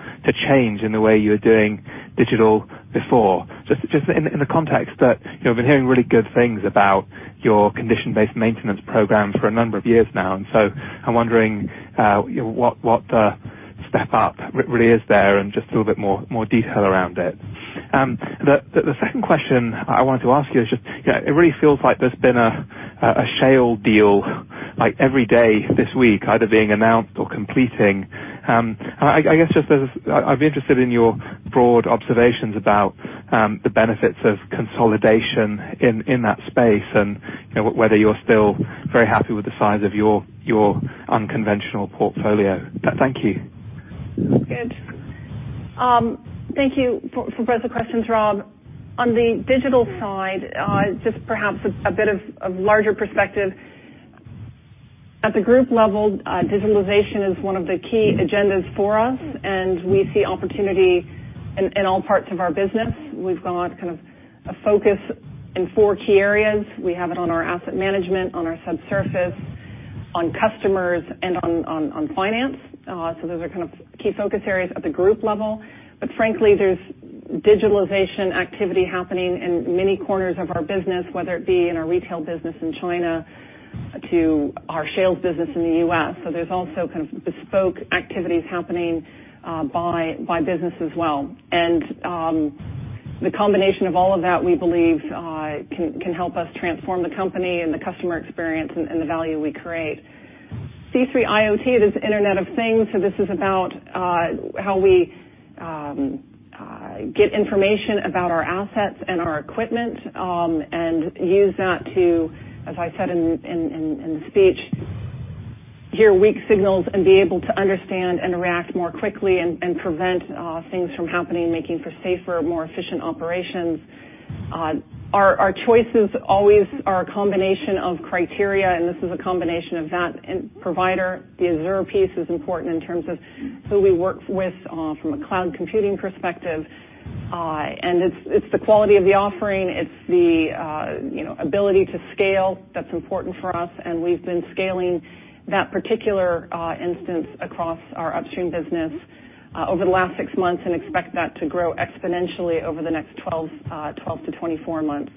change in the way you were doing digital before? Just in the context that we've been hearing really good things about your condition-based maintenance program for a number of years now, so I'm wondering what the step up really is there, and just a little bit more detail around it. The second question I wanted to ask you is, just it really feels like there's been a shale deal, every day this week, either being announced or completing. I guess I'd be interested in your broad observations about the benefits of consolidation in that space, whether you're still very happy with the size of your unconventional portfolio. Thank you.
Good. Thank you for both the questions, Rob. On the digital side, just perhaps a bit of a larger perspective. At the group level, digitalization is one of the key agendas for us, and we see opportunity in all parts of our business. We've got a focus in four key areas. We have it on our asset management, on our subsurface, on customers, and on finance. Those are key focus areas at the group level. Frankly, there's digitalization activity happening in many corners of our business, whether it be in our retail business in China, to our shales business in the U.S. There's also bespoke activities happening by business as well. The combination of all of that, we believe, can help us transform the company and the customer experience and the value we create. C3.ai IoT is Internet of Things, this is about how we get information about our assets and our equipment, and use that to, as I said in the speech, hear weak signals and be able to understand and react more quickly and prevent things from happening, making for safer, more efficient operations. Our choices always are a combination of criteria, and this is a combination of that and provider. The Azure piece is important in terms of who we work with from a cloud computing perspective. It's the quality of the offering, it's the ability to scale that's important for us. We've been scaling that particular instance across our upstream business over the last six months and expect that to grow exponentially over the next 12 to 24 months.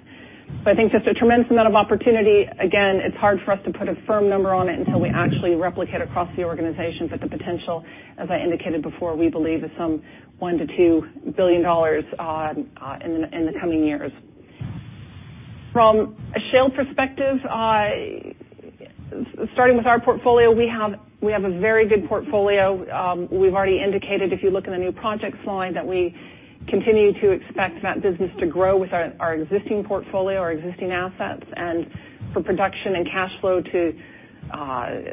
I think just a tremendous amount of opportunity. Again, it's hard for us to put a firm number on it until we actually replicate across the organization. The potential, as I indicated before, we believe is some $1 billion to $2 billion in the coming years. From a shale perspective, starting with our portfolio, we have a very good portfolio. We've already indicated, if you look in the new project slide, that we continue to expect that business to grow with our existing portfolio, our existing assets, and for production and cash flow to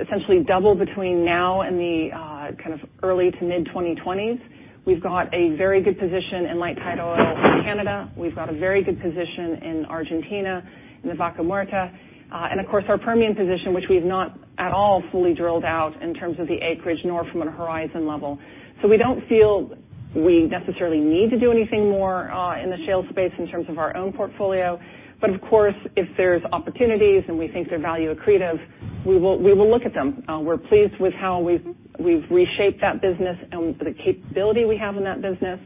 essentially double between now and the early to mid-2020s. We've got a very good position in light tight oil in Canada. We've got a very good position in Argentina, in the Vaca Muerta. Of course, our Permian position, which we've not at all fully drilled out in terms of the acreage, nor from a horizon level. We don't feel we necessarily need to do anything more in the shale space in terms of our own portfolio. Of course, if there's opportunities and we think they're value accretive, we will look at them. We're pleased with how we've reshaped that business and the capability we have in that business.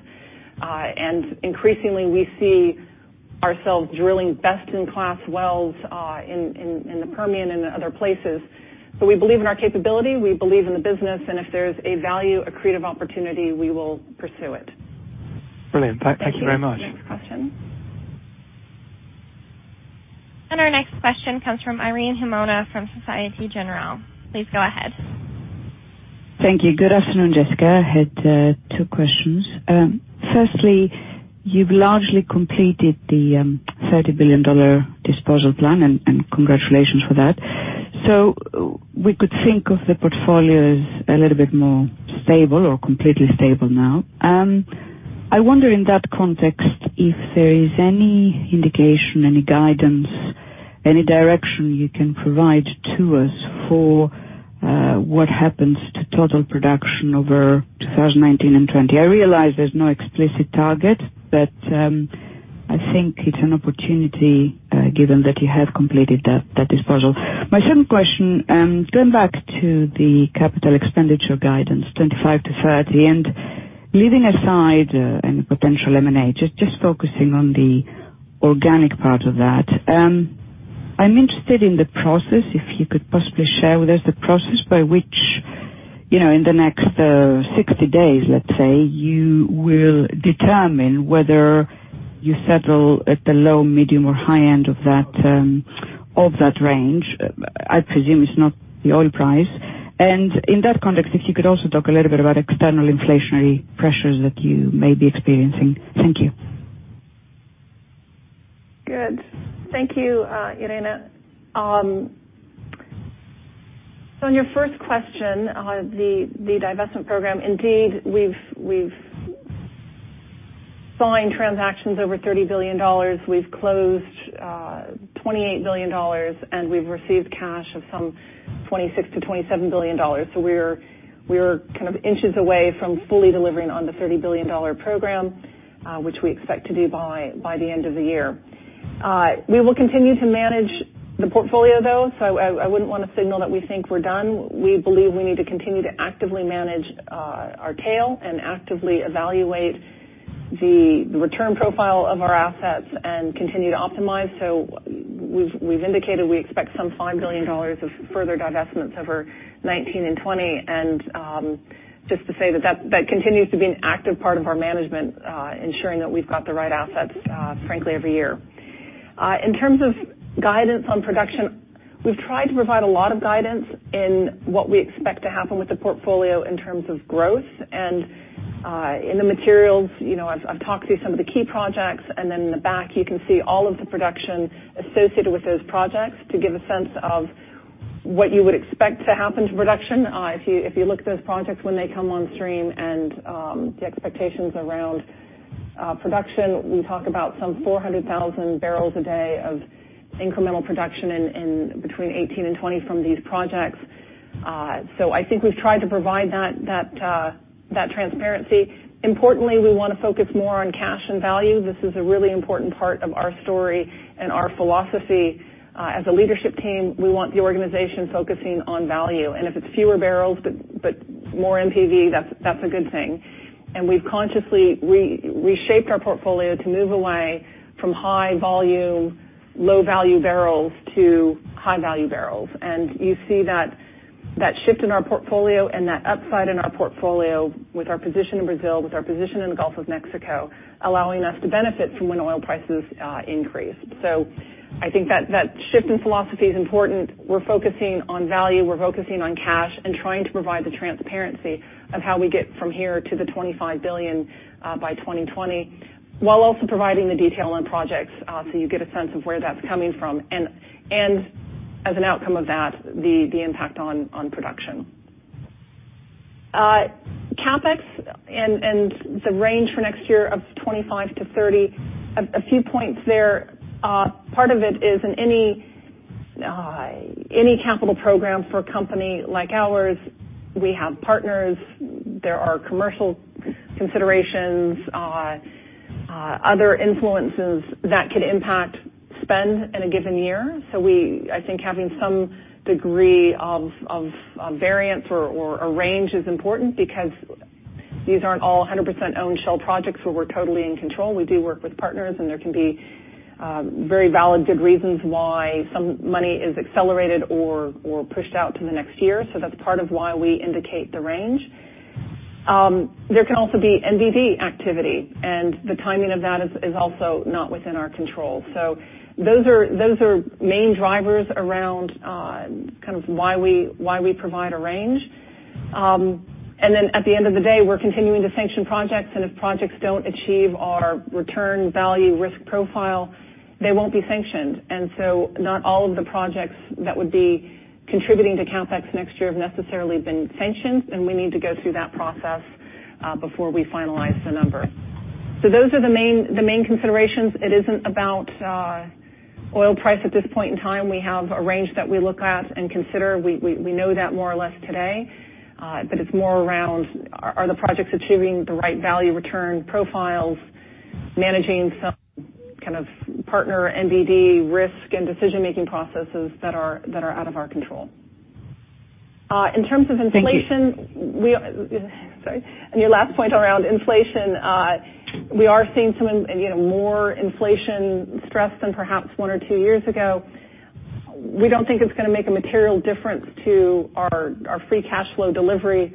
Increasingly, we see ourselves drilling best-in-class wells in the Permian and other places. We believe in our capability, we believe in the business, and if there's a value-accretive opportunity, we will pursue it.
Brilliant. Thank you very much.
Thank you. Next question.
Our next question comes from Irene Himona from Societe Generale. Please go ahead.
Thank you. Good afternoon, Jessica. I had two questions. Firstly, you've largely completed the $30 billion disposal plan, and congratulations for that. We could think of the portfolio as a little bit more stable or completely stable now. I wonder in that context, if there is any indication, any guidance, any direction you can provide to us for what happens to total production over 2019 and 2020. I realize there's no explicit target, but I think it's an opportunity, given that you have completed that disposal. My second question, going back to the capital expenditure guidance, $25 billion-$30 billion, and leaving aside any potential M&A, just focusing on the organic part of that. I'm interested in the process, if you could possibly share with us the process by which in the next 60 days, let's say, you will determine whether you settle at the low, medium, or high end of that range. I presume it's not the oil price. In that context, if you could also talk a little bit about external inflationary pressures that you may be experiencing. Thank you.
Good. Thank you, Irene. On your first question on the divestment program, indeed, we've signed transactions over $30 billion. We've closed $28 billion, and we've received cash of some $26 billion to $27 billion. We're kind of inches away from fully delivering on the $30 billion program, which we expect to do by the end of the year. We will continue to manage the portfolio, though, so I wouldn't want to signal that we think we're done. We believe we need to continue to actively manage our tail and actively evaluate the return profile of our assets and continue to optimize. We've indicated we expect some $5 billion of further divestments over 2019 and 2020, just to say that continues to be an active part of our management, ensuring that we've got the right assets, frankly, every year. In terms of guidance on production, we've tried to provide a lot of guidance in what we expect to happen with the portfolio in terms of growth. In the materials, I've talked through some of the key projects, then in the back, you can see all of the production associated with those projects to give a sense of what you would expect to happen to production. If you look at those projects when they come on stream and the expectations around production, we talk about some 400,000 barrels a day of incremental production between 2018 and 2020 from these projects. I think we've tried to provide that transparency. Importantly, we want to focus more on cash and value. This is a really important part of our story and our philosophy. As a leadership team, we want the organization focusing on value, if it's fewer barrels but more NPV, that's a good thing. We've consciously reshaped our portfolio to move away from high volume, low value barrels to high value barrels. You see that shift in our portfolio and that upside in our portfolio with our position in Brazil, with our position in the Gulf of Mexico, allowing us to benefit from when oil prices increase. I think that shift in philosophy is important. We're focusing on value, we're focusing on cash and trying to provide the transparency of how we get from here to the $25 billion by 2020, while also providing the detail on projects so you get a sense of where that's coming from. As an outcome of that, the impact on production. CapEx and the range for next year of $25-$30. A few points there. Part of it is in any capital program for a company like ours, we have partners. There are commercial considerations, other influences that could impact spend in a given year. I think having some degree of variance or a range is important because these aren't all 100% owned Shell projects where we're totally in control. We do work with partners, and there can be very valid, good reasons why some money is accelerated or pushed out to the next year. That's part of why we indicate the range. There can also be NDD activity, and the timing of that is also not within our control. Those are main drivers around why we provide a range. At the end of the day, we're continuing to sanction projects, and if projects don't achieve our return value risk profile, they won't be sanctioned. Not all of the projects that would be contributing to CapEx next year have necessarily been sanctioned, and we need to go through that process, before we finalize the number. Those are the main considerations. It isn't about oil price at this point in time. We have a range that we look at and consider. We know that more or less today. It's more around are the projects achieving the right value return profiles, managing some kind of partner NDD risk and decision-making processes that are out of our control. In terms of inflation-
Thank you.
Sorry. On your last point around inflation, we are seeing some more inflation stress than perhaps one or two years ago. We don't think it's going to make a material difference to our free cash flow delivery,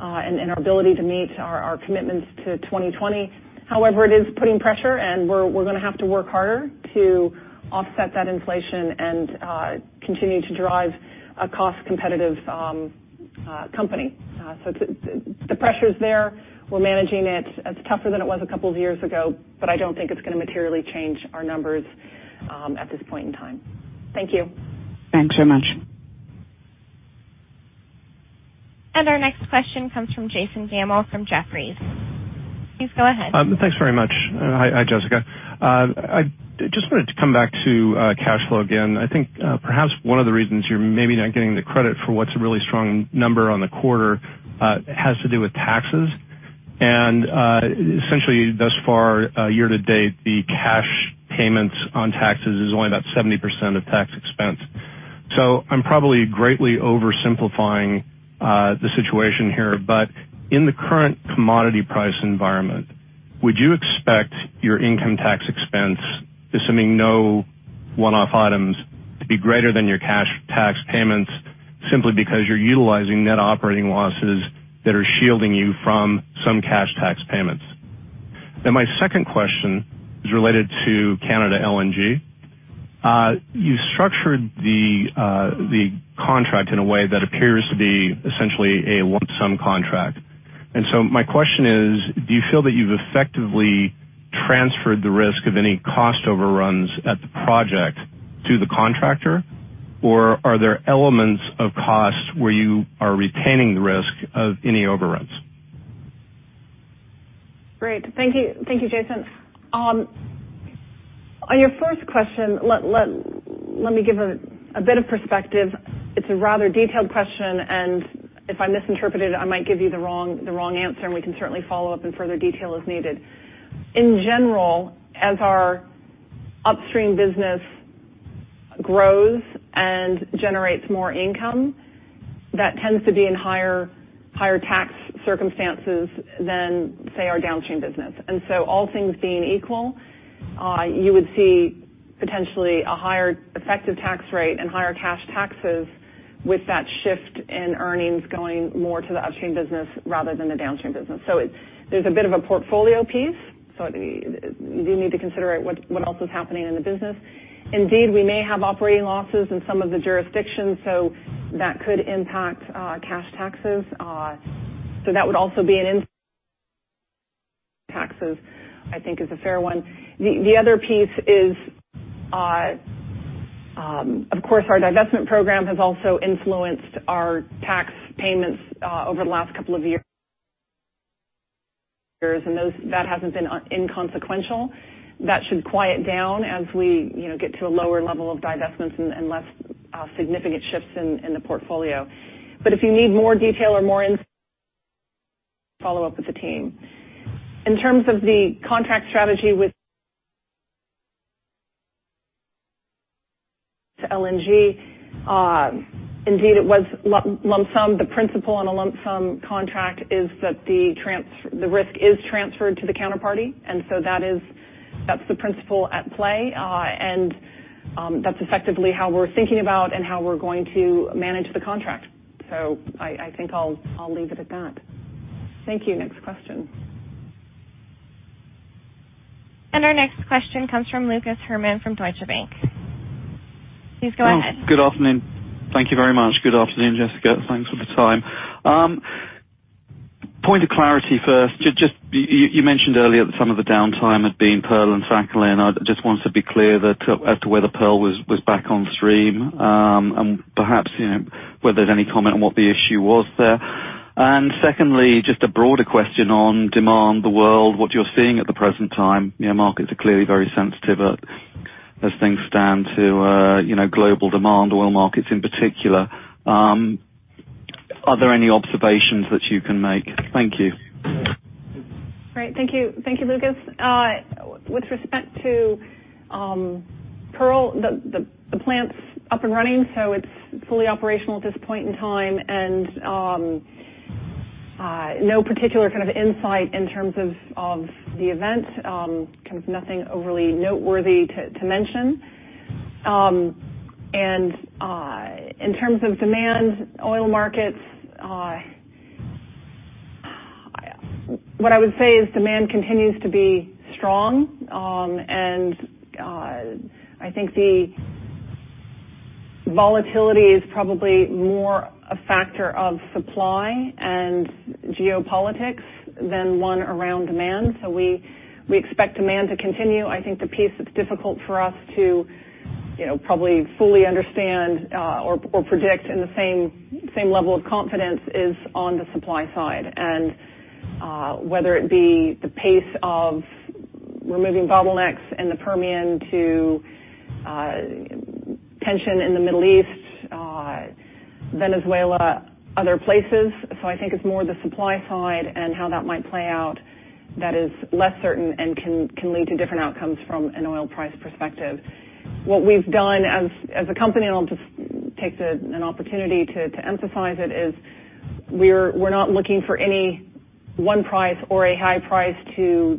and our ability to meet our commitments to 2020. However, it is putting pressure, and we're going to have to work harder to offset that inflation and continue to drive a cost-competitive company. The pressure's there. We're managing it. It's tougher than it was a couple of years ago, but I don't think it's going to materially change our numbers at this point in time. Thank you.
Thanks very much.
Our next question comes from Jason Gammel from Jefferies. Please go ahead.
Thanks very much. Hi, Jessica. I just wanted to come back to cash flow again. I think perhaps one of the reasons you're maybe not getting the credit for what's a really strong number on the quarter has to do with taxes. Essentially thus far, year to date, the cash payments on taxes is only about 70% of tax expense. I'm probably greatly oversimplifying the situation here, but in the current commodity price environment, would you expect your income tax expense, assuming no one-off items to be greater than your cash tax payments simply because you're utilizing net operating losses that are shielding you from some cash tax payments. My second question is related to LNG Canada. You structured the contract in a way that appears to be essentially a lump sum contract. My question is, do you feel that you've effectively transferred the risk of any cost overruns at the project to the contractor, or are there elements of costs where you are retaining the risk of any overruns?
Great. Thank you, Jason. On your first question, let me give a bit of perspective. It's a rather detailed question, and if I misinterpret it, I might give you the wrong answer, and we can certainly follow up in further detail as needed. In general, as our upstream business grows and generates more income, that tends to be in higher tax circumstances than, say, our downstream business. All things being equal, you would see potentially a higher effective tax rate and higher cash taxes with that shift in earnings going more to the upstream business rather than the downstream business. There's a bit of a portfolio piece. You do need to consider what else is happening in the business. Indeed, we may have operating losses in some of the jurisdictions, so that could impact cash taxes. That would also be an in taxes, I think is a fair one. The other piece is, of course, our divestment program has also influenced our tax payments over the last couple of years. That hasn't been inconsequential. That should quiet down as we get to a lower level of divestments and less significant shifts in the portfolio. But if you need more detail or more in follow up with the team. In terms of the contract strategy with to LNG, indeed it was lump sum. The principle on a lump sum contract is that the risk is transferred to the counterparty, that's the principle at play. That's effectively how we're thinking about and how we're going to manage the contract. I think I'll leave it at that. Thank you. Next question.
Our next question comes from Lucas Herrmann from Deutsche Bank. Please go ahead.
Good afternoon. Thank you very much. Good afternoon, Jessica. Thanks for the time. Point of clarity first. Just you mentioned earlier that some of the downtime had been Pearl and Sakhalin. I just wanted to be clear as to whether Pearl was back on stream, and perhaps whether there's any comment on what the issue was there. Secondly, just a broader question on demand, the world, what you're seeing at the present time. Markets are clearly very sensitive as things stand to global demand, oil markets in particular. Are there any observations that you can make? Thank you.
Great. Thank you, Lucas. With respect to Pearl, the plant's up and running, so it's fully operational at this point in time. No particular insight in terms of the event, nothing overly noteworthy to mention. In terms of demand, oil markets, what I would say is demand continues to be strong. I think the volatility is probably more a factor of supply and geopolitics than one around demand. We expect demand to continue. I think the piece that's difficult for us to probably fully understand or predict in the same level of confidence is on the supply side, whether it be the pace of removing bottlenecks in the Permian to tension in the Middle East, Venezuela, other places. I think it's more the supply side and how that might play out that is less certain and can lead to different outcomes from an oil price perspective. What we've done as a company, and I'll just take an opportunity to emphasize it, is we're not looking for any one price or a high price to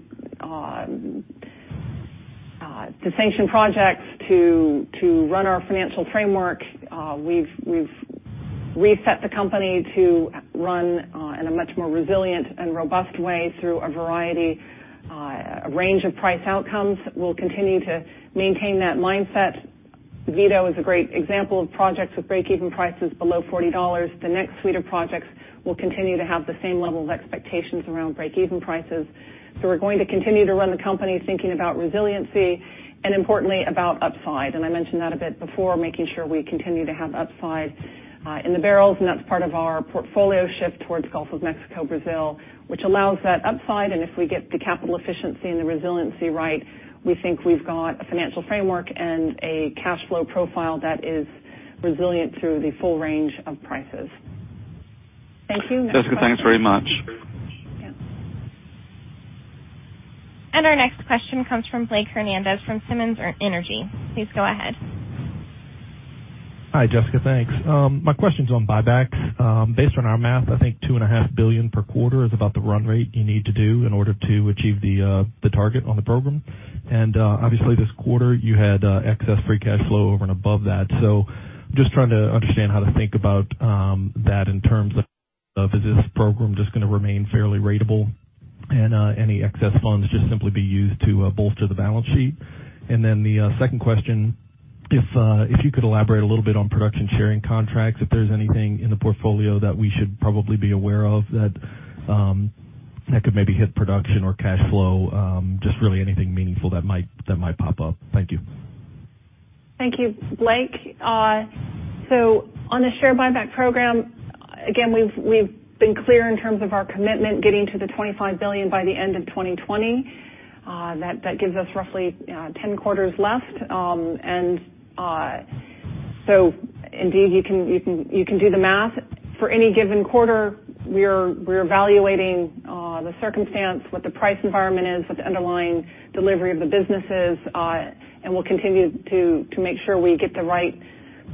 sanction projects to run our financial framework. We've reset the company to run in a much more resilient and robust way through a range of price outcomes. We'll continue to maintain that mindset. Vito is a great example of projects with break-even prices below $40. The next suite of projects will continue to have the same level of expectations around break-even prices. We're going to continue to run the company thinking about resiliency and importantly about upside. I mentioned that a bit before, making sure we continue to have upside in the barrels, and that's part of our portfolio shift towards Gulf of Mexico, Brazil, which allows that upside. If we get the capital efficiency and the resiliency right, we think we've got a financial framework and a cash flow profile that is resilient through the full range of prices. Thank you.
Jessica, thanks very much.
Yeah.
Our next question comes from Blake Fernandez from Simmons Energy. Please go ahead.
Hi, Jessica. Thanks. My question's on buybacks. Based on our math, I think two and a half billion per quarter is about the run rate you need to do in order to achieve the target on the program. Obviously, this quarter, you had excess free cash flow over and above that. I'm just trying to understand how to think about that in terms of, is this program just going to remain fairly ratable and any excess funds just simply be used to bolster the balance sheet? The second question, if you could elaborate a little bit on production sharing contracts, if there's anything in the portfolio that we should probably be aware of that could maybe hit production or cash flow, just really anything meaningful that might pop up. Thank you.
Thank you, Blake. On the share buyback program, again, we've been clear in terms of our commitment getting to the $25 billion by the end of 2020. That gives us roughly 10 quarters left. Indeed, you can do the math. For any given quarter, we're evaluating the circumstance, what the price environment is, what the underlying delivery of the businesses are, and we'll continue to make sure we get the right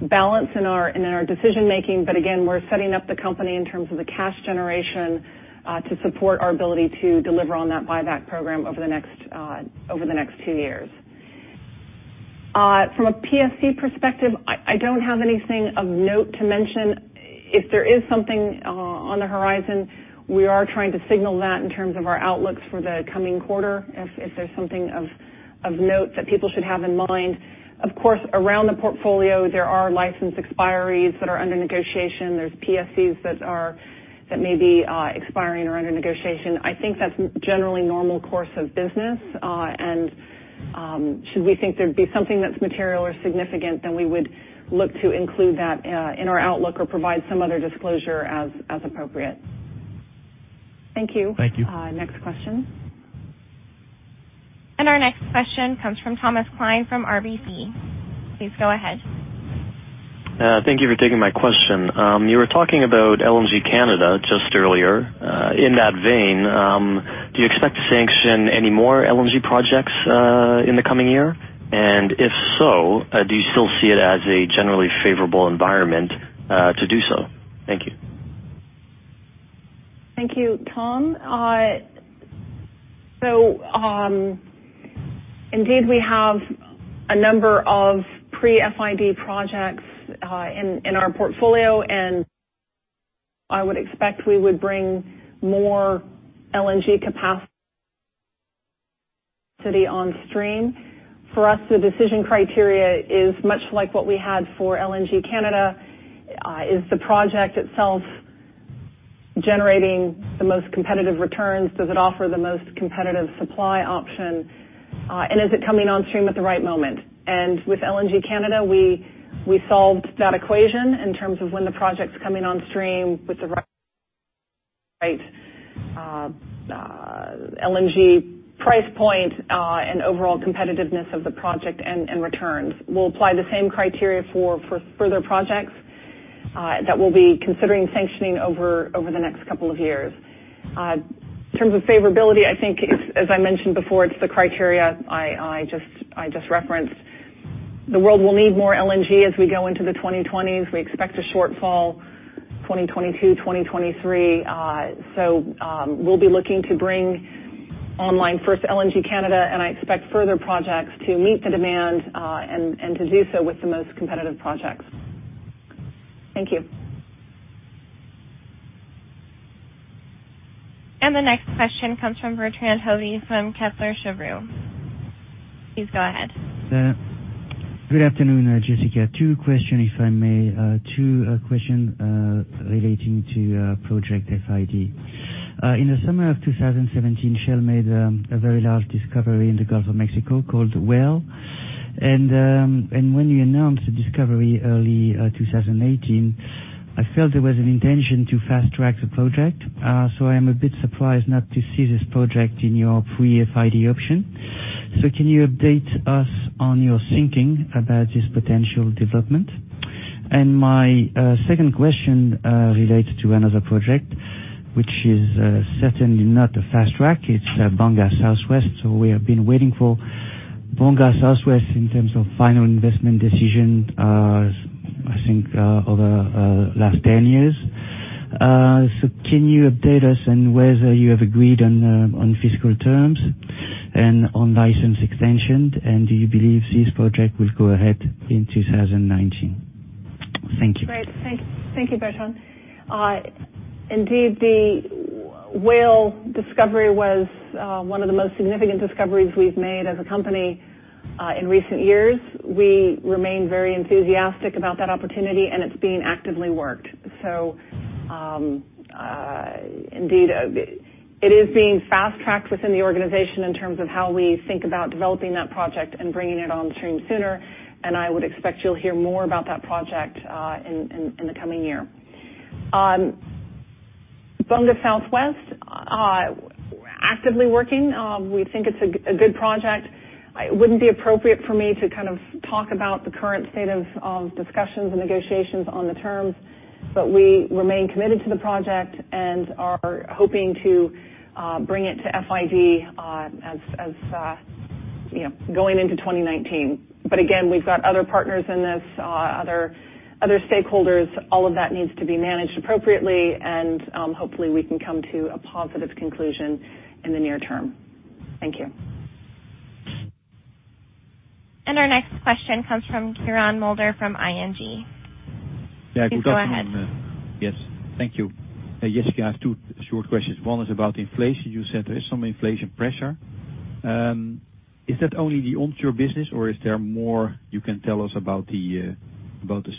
balance in our decision-making. Again, we're setting up the company in terms of the cash generation to support our ability to deliver on that buyback program over the next two years. From a PSC perspective, I don't have anything of note to mention. If there is something on the horizon, we are trying to signal that in terms of our outlooks for the coming quarter, if there's something of note that people should have in mind. Of course, around the portfolio, there are license expiries that are under negotiation. There's PSCs that may be expiring or under negotiation. I think that's generally normal course of business. Should we think there'd be something that's material or significant, then we would look to include that in our outlook or provide some other disclosure as appropriate. Thank you.
Thank you.
Next question.
Our next question comes from Thomas Klein from RBC. Please go ahead.
Thank you for taking my question. You were talking about LNG Canada just earlier. In that vein, do you expect to sanction any more LNG projects in the coming year? If so, do you still see it as a generally favorable environment to do so? Thank you.
Thank you, Tom. Indeed, we have a number of pre-FID projects in our portfolio, and I would expect we would bring more LNG capacity on stream. For us, the decision criteria is much like what we had for LNG Canada. Is the project itself generating the most competitive returns? Does it offer the most competitive supply option? Is it coming on stream at the right moment? With LNG Canada, we solved that equation in terms of when the project's coming on stream with the right LNG price point and overall competitiveness of the project and returns. We'll apply the same criteria for further projects that we'll be considering sanctioning over the next couple of years. In terms of favorability, I think, as I mentioned before, it's the criteria I just referenced. The world will need more LNG as we go into the 2020s. We expect a shortfall 2022, 2023. We'll be looking to bring online first LNG Canada, and I expect further projects to meet the demand and to do so with the most competitive projects. Thank you.
The next question comes from Bertrand Hodee from Kepler Cheuvreux. Please go ahead.
Good afternoon, Jessica. Two questions, if I may. Two questions relating to project FID. In the summer of 2017, Shell made a very large discovery in the Gulf of Mexico called Whale, and when you announced the discovery early 2018, I felt there was an intention to fast-track the project. I am a bit surprised not to see this project in your pre-FID option. Can you update us on your thinking about this potential development? My second question relates to another project, which is certainly not a fast track. It's Bonga South West. We have been waiting for Bonga South West in terms of final investment decision, I think, over the last 10 years. Can you update us on whether you have agreed on fiscal terms and on license extension, and do you believe this project will go ahead in 2019? Thank you.
Great. Thank you, Bertrand. Indeed, the Whale discovery was one of the most significant discoveries we've made as a company in recent years. We remain very enthusiastic about that opportunity, and it's being actively worked. Indeed, it is being fast-tracked within the organization in terms of how we think about developing that project and bringing it on stream sooner. I would expect you'll hear more about that project in the coming year. Bonga South West, actively working. We think it's a good project. It wouldn't be appropriate for me to talk about the current state of discussions and negotiations on the terms, but we remain committed to the project and are hoping to bring it to FID as soon going into 2019. Again, we've got other partners in this, other stakeholders. All of that needs to be managed appropriately, hopefully, we can come to a positive conclusion in the near term. Thank you.
Our next question comes from Quirijn Mulder from ING.
Yeah, good afternoon.
Please go ahead.
Yes. Thank you. Jessica, I have two short questions. One is about inflation. You said there is some inflation pressure. Is that only the onshore business, or is there more you can tell us about the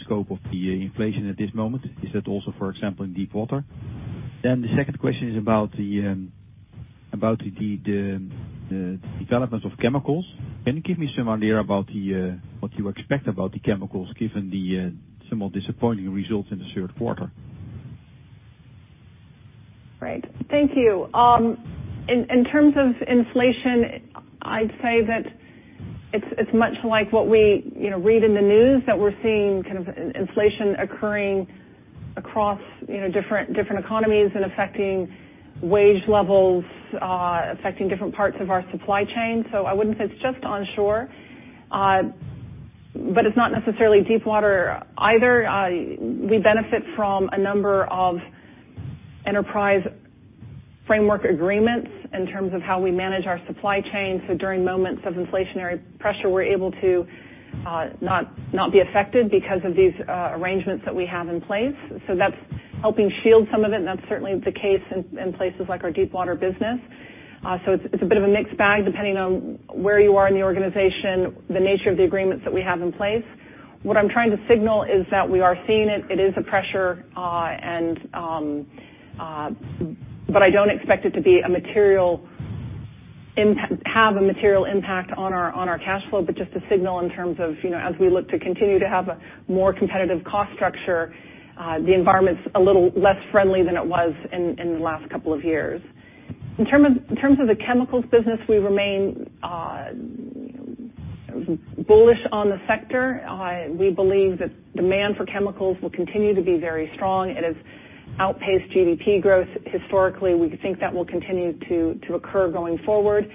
scope of the inflation at this moment? Is that also, for example, in Deepwater? The second question is about the developments of chemicals. Can you give me some idea about what you expect about the chemicals given the somewhat disappointing results in the third quarter?
Right. Thank you. In terms of inflation, I'd say that it's much like what we read in the news, that we're seeing inflation occurring across different economies and affecting wage levels, affecting different parts of our supply chain. I wouldn't say it's just onshore. It's not necessarily Deepwater either. We benefit from a number of enterprise framework agreements in terms of how we manage our supply chain. During moments of inflationary pressure, we're able to not be affected because of these arrangements that we have in place. That's helping shield some of it, and that's certainly the case in places like our Deepwater business. It's a bit of a mixed bag, depending on where you are in the organization, the nature of the agreements that we have in place. What I'm trying to signal is that we are seeing it. It is a pressure. I don't expect it to have a material impact on our cash flow. Just a signal in terms of, as we look to continue to have a more competitive cost structure, the environment's a little less friendly than it was in the last couple of years. In terms of the chemicals business, we remain bullish on the sector. We believe that demand for chemicals will continue to be very strong. It has outpaced GDP growth historically. We think that will continue to occur going forward.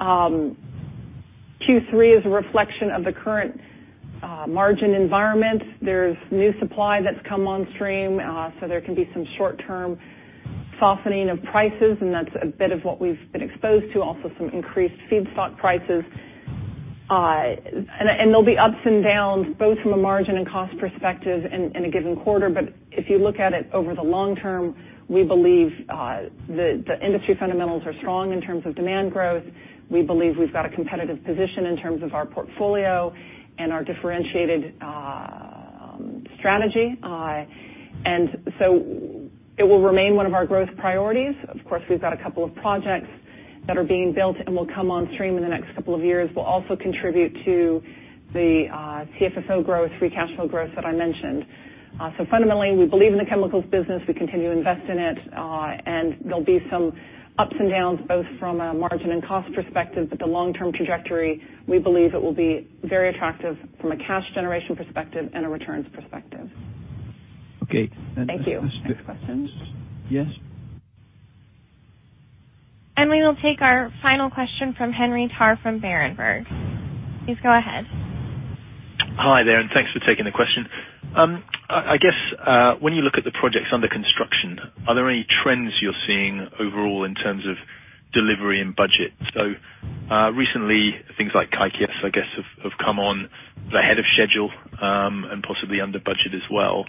Q3 is a reflection of the current margin environment. There's new supply that's come on stream. There can be some short-term softening of prices, and that's a bit of what we've been exposed to. Also, some increased feedstock prices. There'll be ups and downs, both from a margin and cost perspective in a given quarter. If you look at it over the long term, we believe the industry fundamentals are strong in terms of demand growth. We believe we've got a competitive position in terms of our portfolio and our differentiated strategy. It will remain one of our growth priorities. Of course, we've got a couple of projects that are being built and will come on stream in the next couple of years. We'll also contribute to the CFFO growth, free cash flow growth that I mentioned. Fundamentally, we believe in the chemicals business, we continue to invest in it. There'll be some ups and downs, both from a margin and cost perspective. The long-term trajectory, we believe it will be very attractive from a cash generation perspective and a returns perspective.
Okay. Thank you.
Next question. Yes. We will take our final question from Henry Tarr from Berenberg. Please go ahead.
Hi there, thanks for taking the question. I guess, when you look at the projects under construction, are there any trends you're seeing overall in terms of delivery and budget? Recently, things like Kaikias, I guess, have come on ahead of schedule, and possibly under budget as well.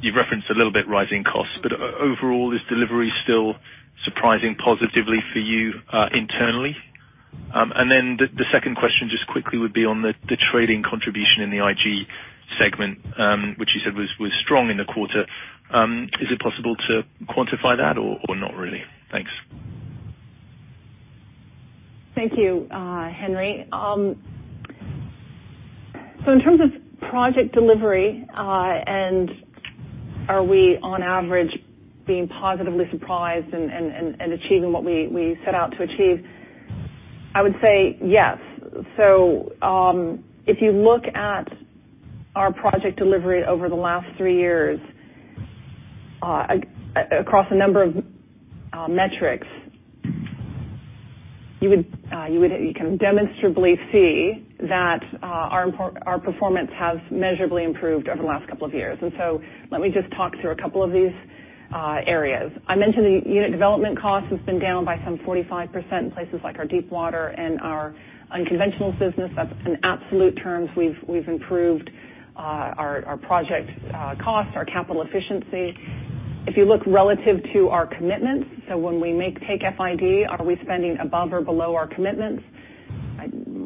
You've referenced a little bit rising costs. Overall, is delivery still surprising positively for you internally? Then the second question, just quickly, would be on the trading contribution in the IG segment, which you said was strong in the quarter. Is it possible to quantify that or not really? Thanks.
Thank you, Henry. In terms of project delivery, and are we on average being positively surprised and achieving what we set out to achieve, I would say yes. If you look at our project delivery over the last three years across a number of metrics, you can demonstrably see that our performance has measurably improved over the last couple of years. Let me just talk through a couple of these areas. I mentioned the unit development cost has been down by some 45% in places like our Deepwater and our unconventional business. That's in absolute terms, we've improved our project cost, our capital efficiency. If you look relative to our commitments, when we take FID, are we spending above or below our commitments?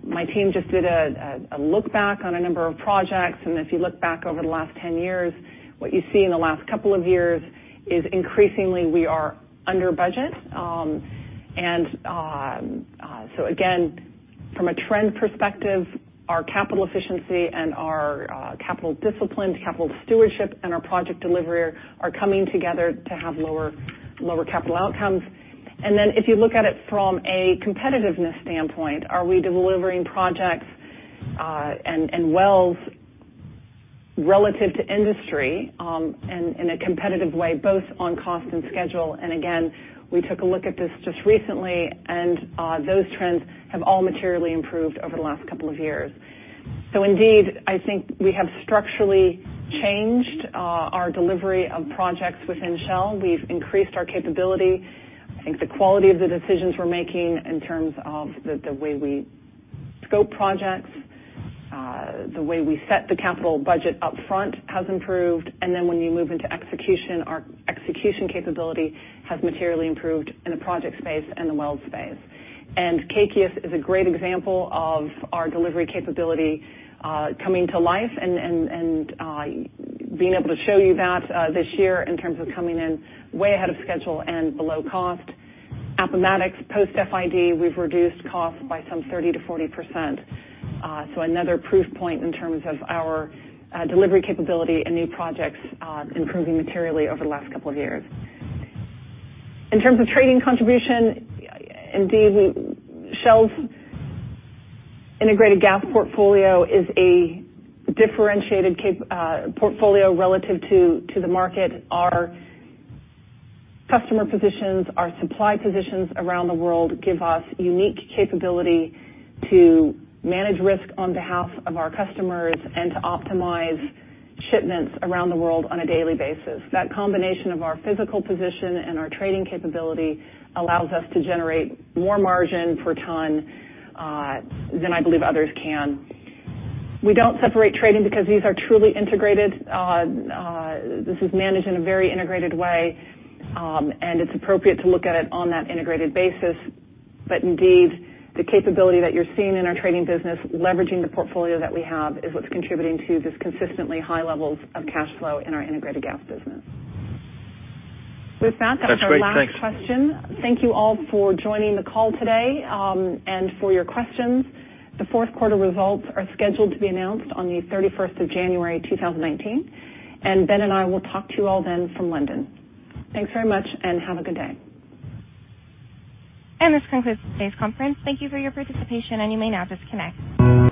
My team just did a look back on a number of projects, if you look back over the last 10 years, what you see in the last couple of years is increasingly we are under budget. Again, from a trend perspective, our capital efficiency and our capital discipline, capital stewardship, and our project delivery are coming together to have lower capital outcomes. Then if you look at it from a competitiveness standpoint, are we delivering projects and wells relative to industry, and in a competitive way, both on cost and schedule. Again, we took a look at this just recently, and those trends have all materially improved over the last couple of years. Indeed, I think we have structurally changed our delivery of projects within Shell. We've increased our capability. I think the quality of the decisions we're making in terms of the way we scope projects, the way we set the capital budget up front has improved. Then when you move into execution, our execution capability has materially improved in the project space and the wells space. Kaikias is a great example of our delivery capability coming to life and being able to show you that this year in terms of coming in way ahead of schedule and below cost. Appomattox post FID, we've reduced costs by some 30%-40%. Another proof point in terms of our delivery capability and new projects improving materially over the last couple of years. In terms of trading contribution, indeed, Shell's integrated gas portfolio is a differentiated portfolio relative to the market. Our customer positions, our supply positions around the world give us unique capability to manage risk on behalf of our customers and to optimize shipments around the world on a daily basis. That combination of our physical position and our trading capability allows us to generate more margin per ton than I believe others can. We don't separate trading because these are truly integrated. This is managed in a very integrated way, and it's appropriate to look at it on that integrated basis. Indeed, the capability that you're seeing in our trading business, leveraging the portfolio that we have, is what's contributing to these consistently high levels of cash flow in our integrated gas business. With that's our last question. Thank you all for joining the call today, and for your questions. The fourth quarter results are scheduled to be announced on the 31st of January, 2019. Ben and I will talk to you all then from London. Thanks very much and have a good day.
This concludes today's conference. Thank you for your participation, and you may now disconnect.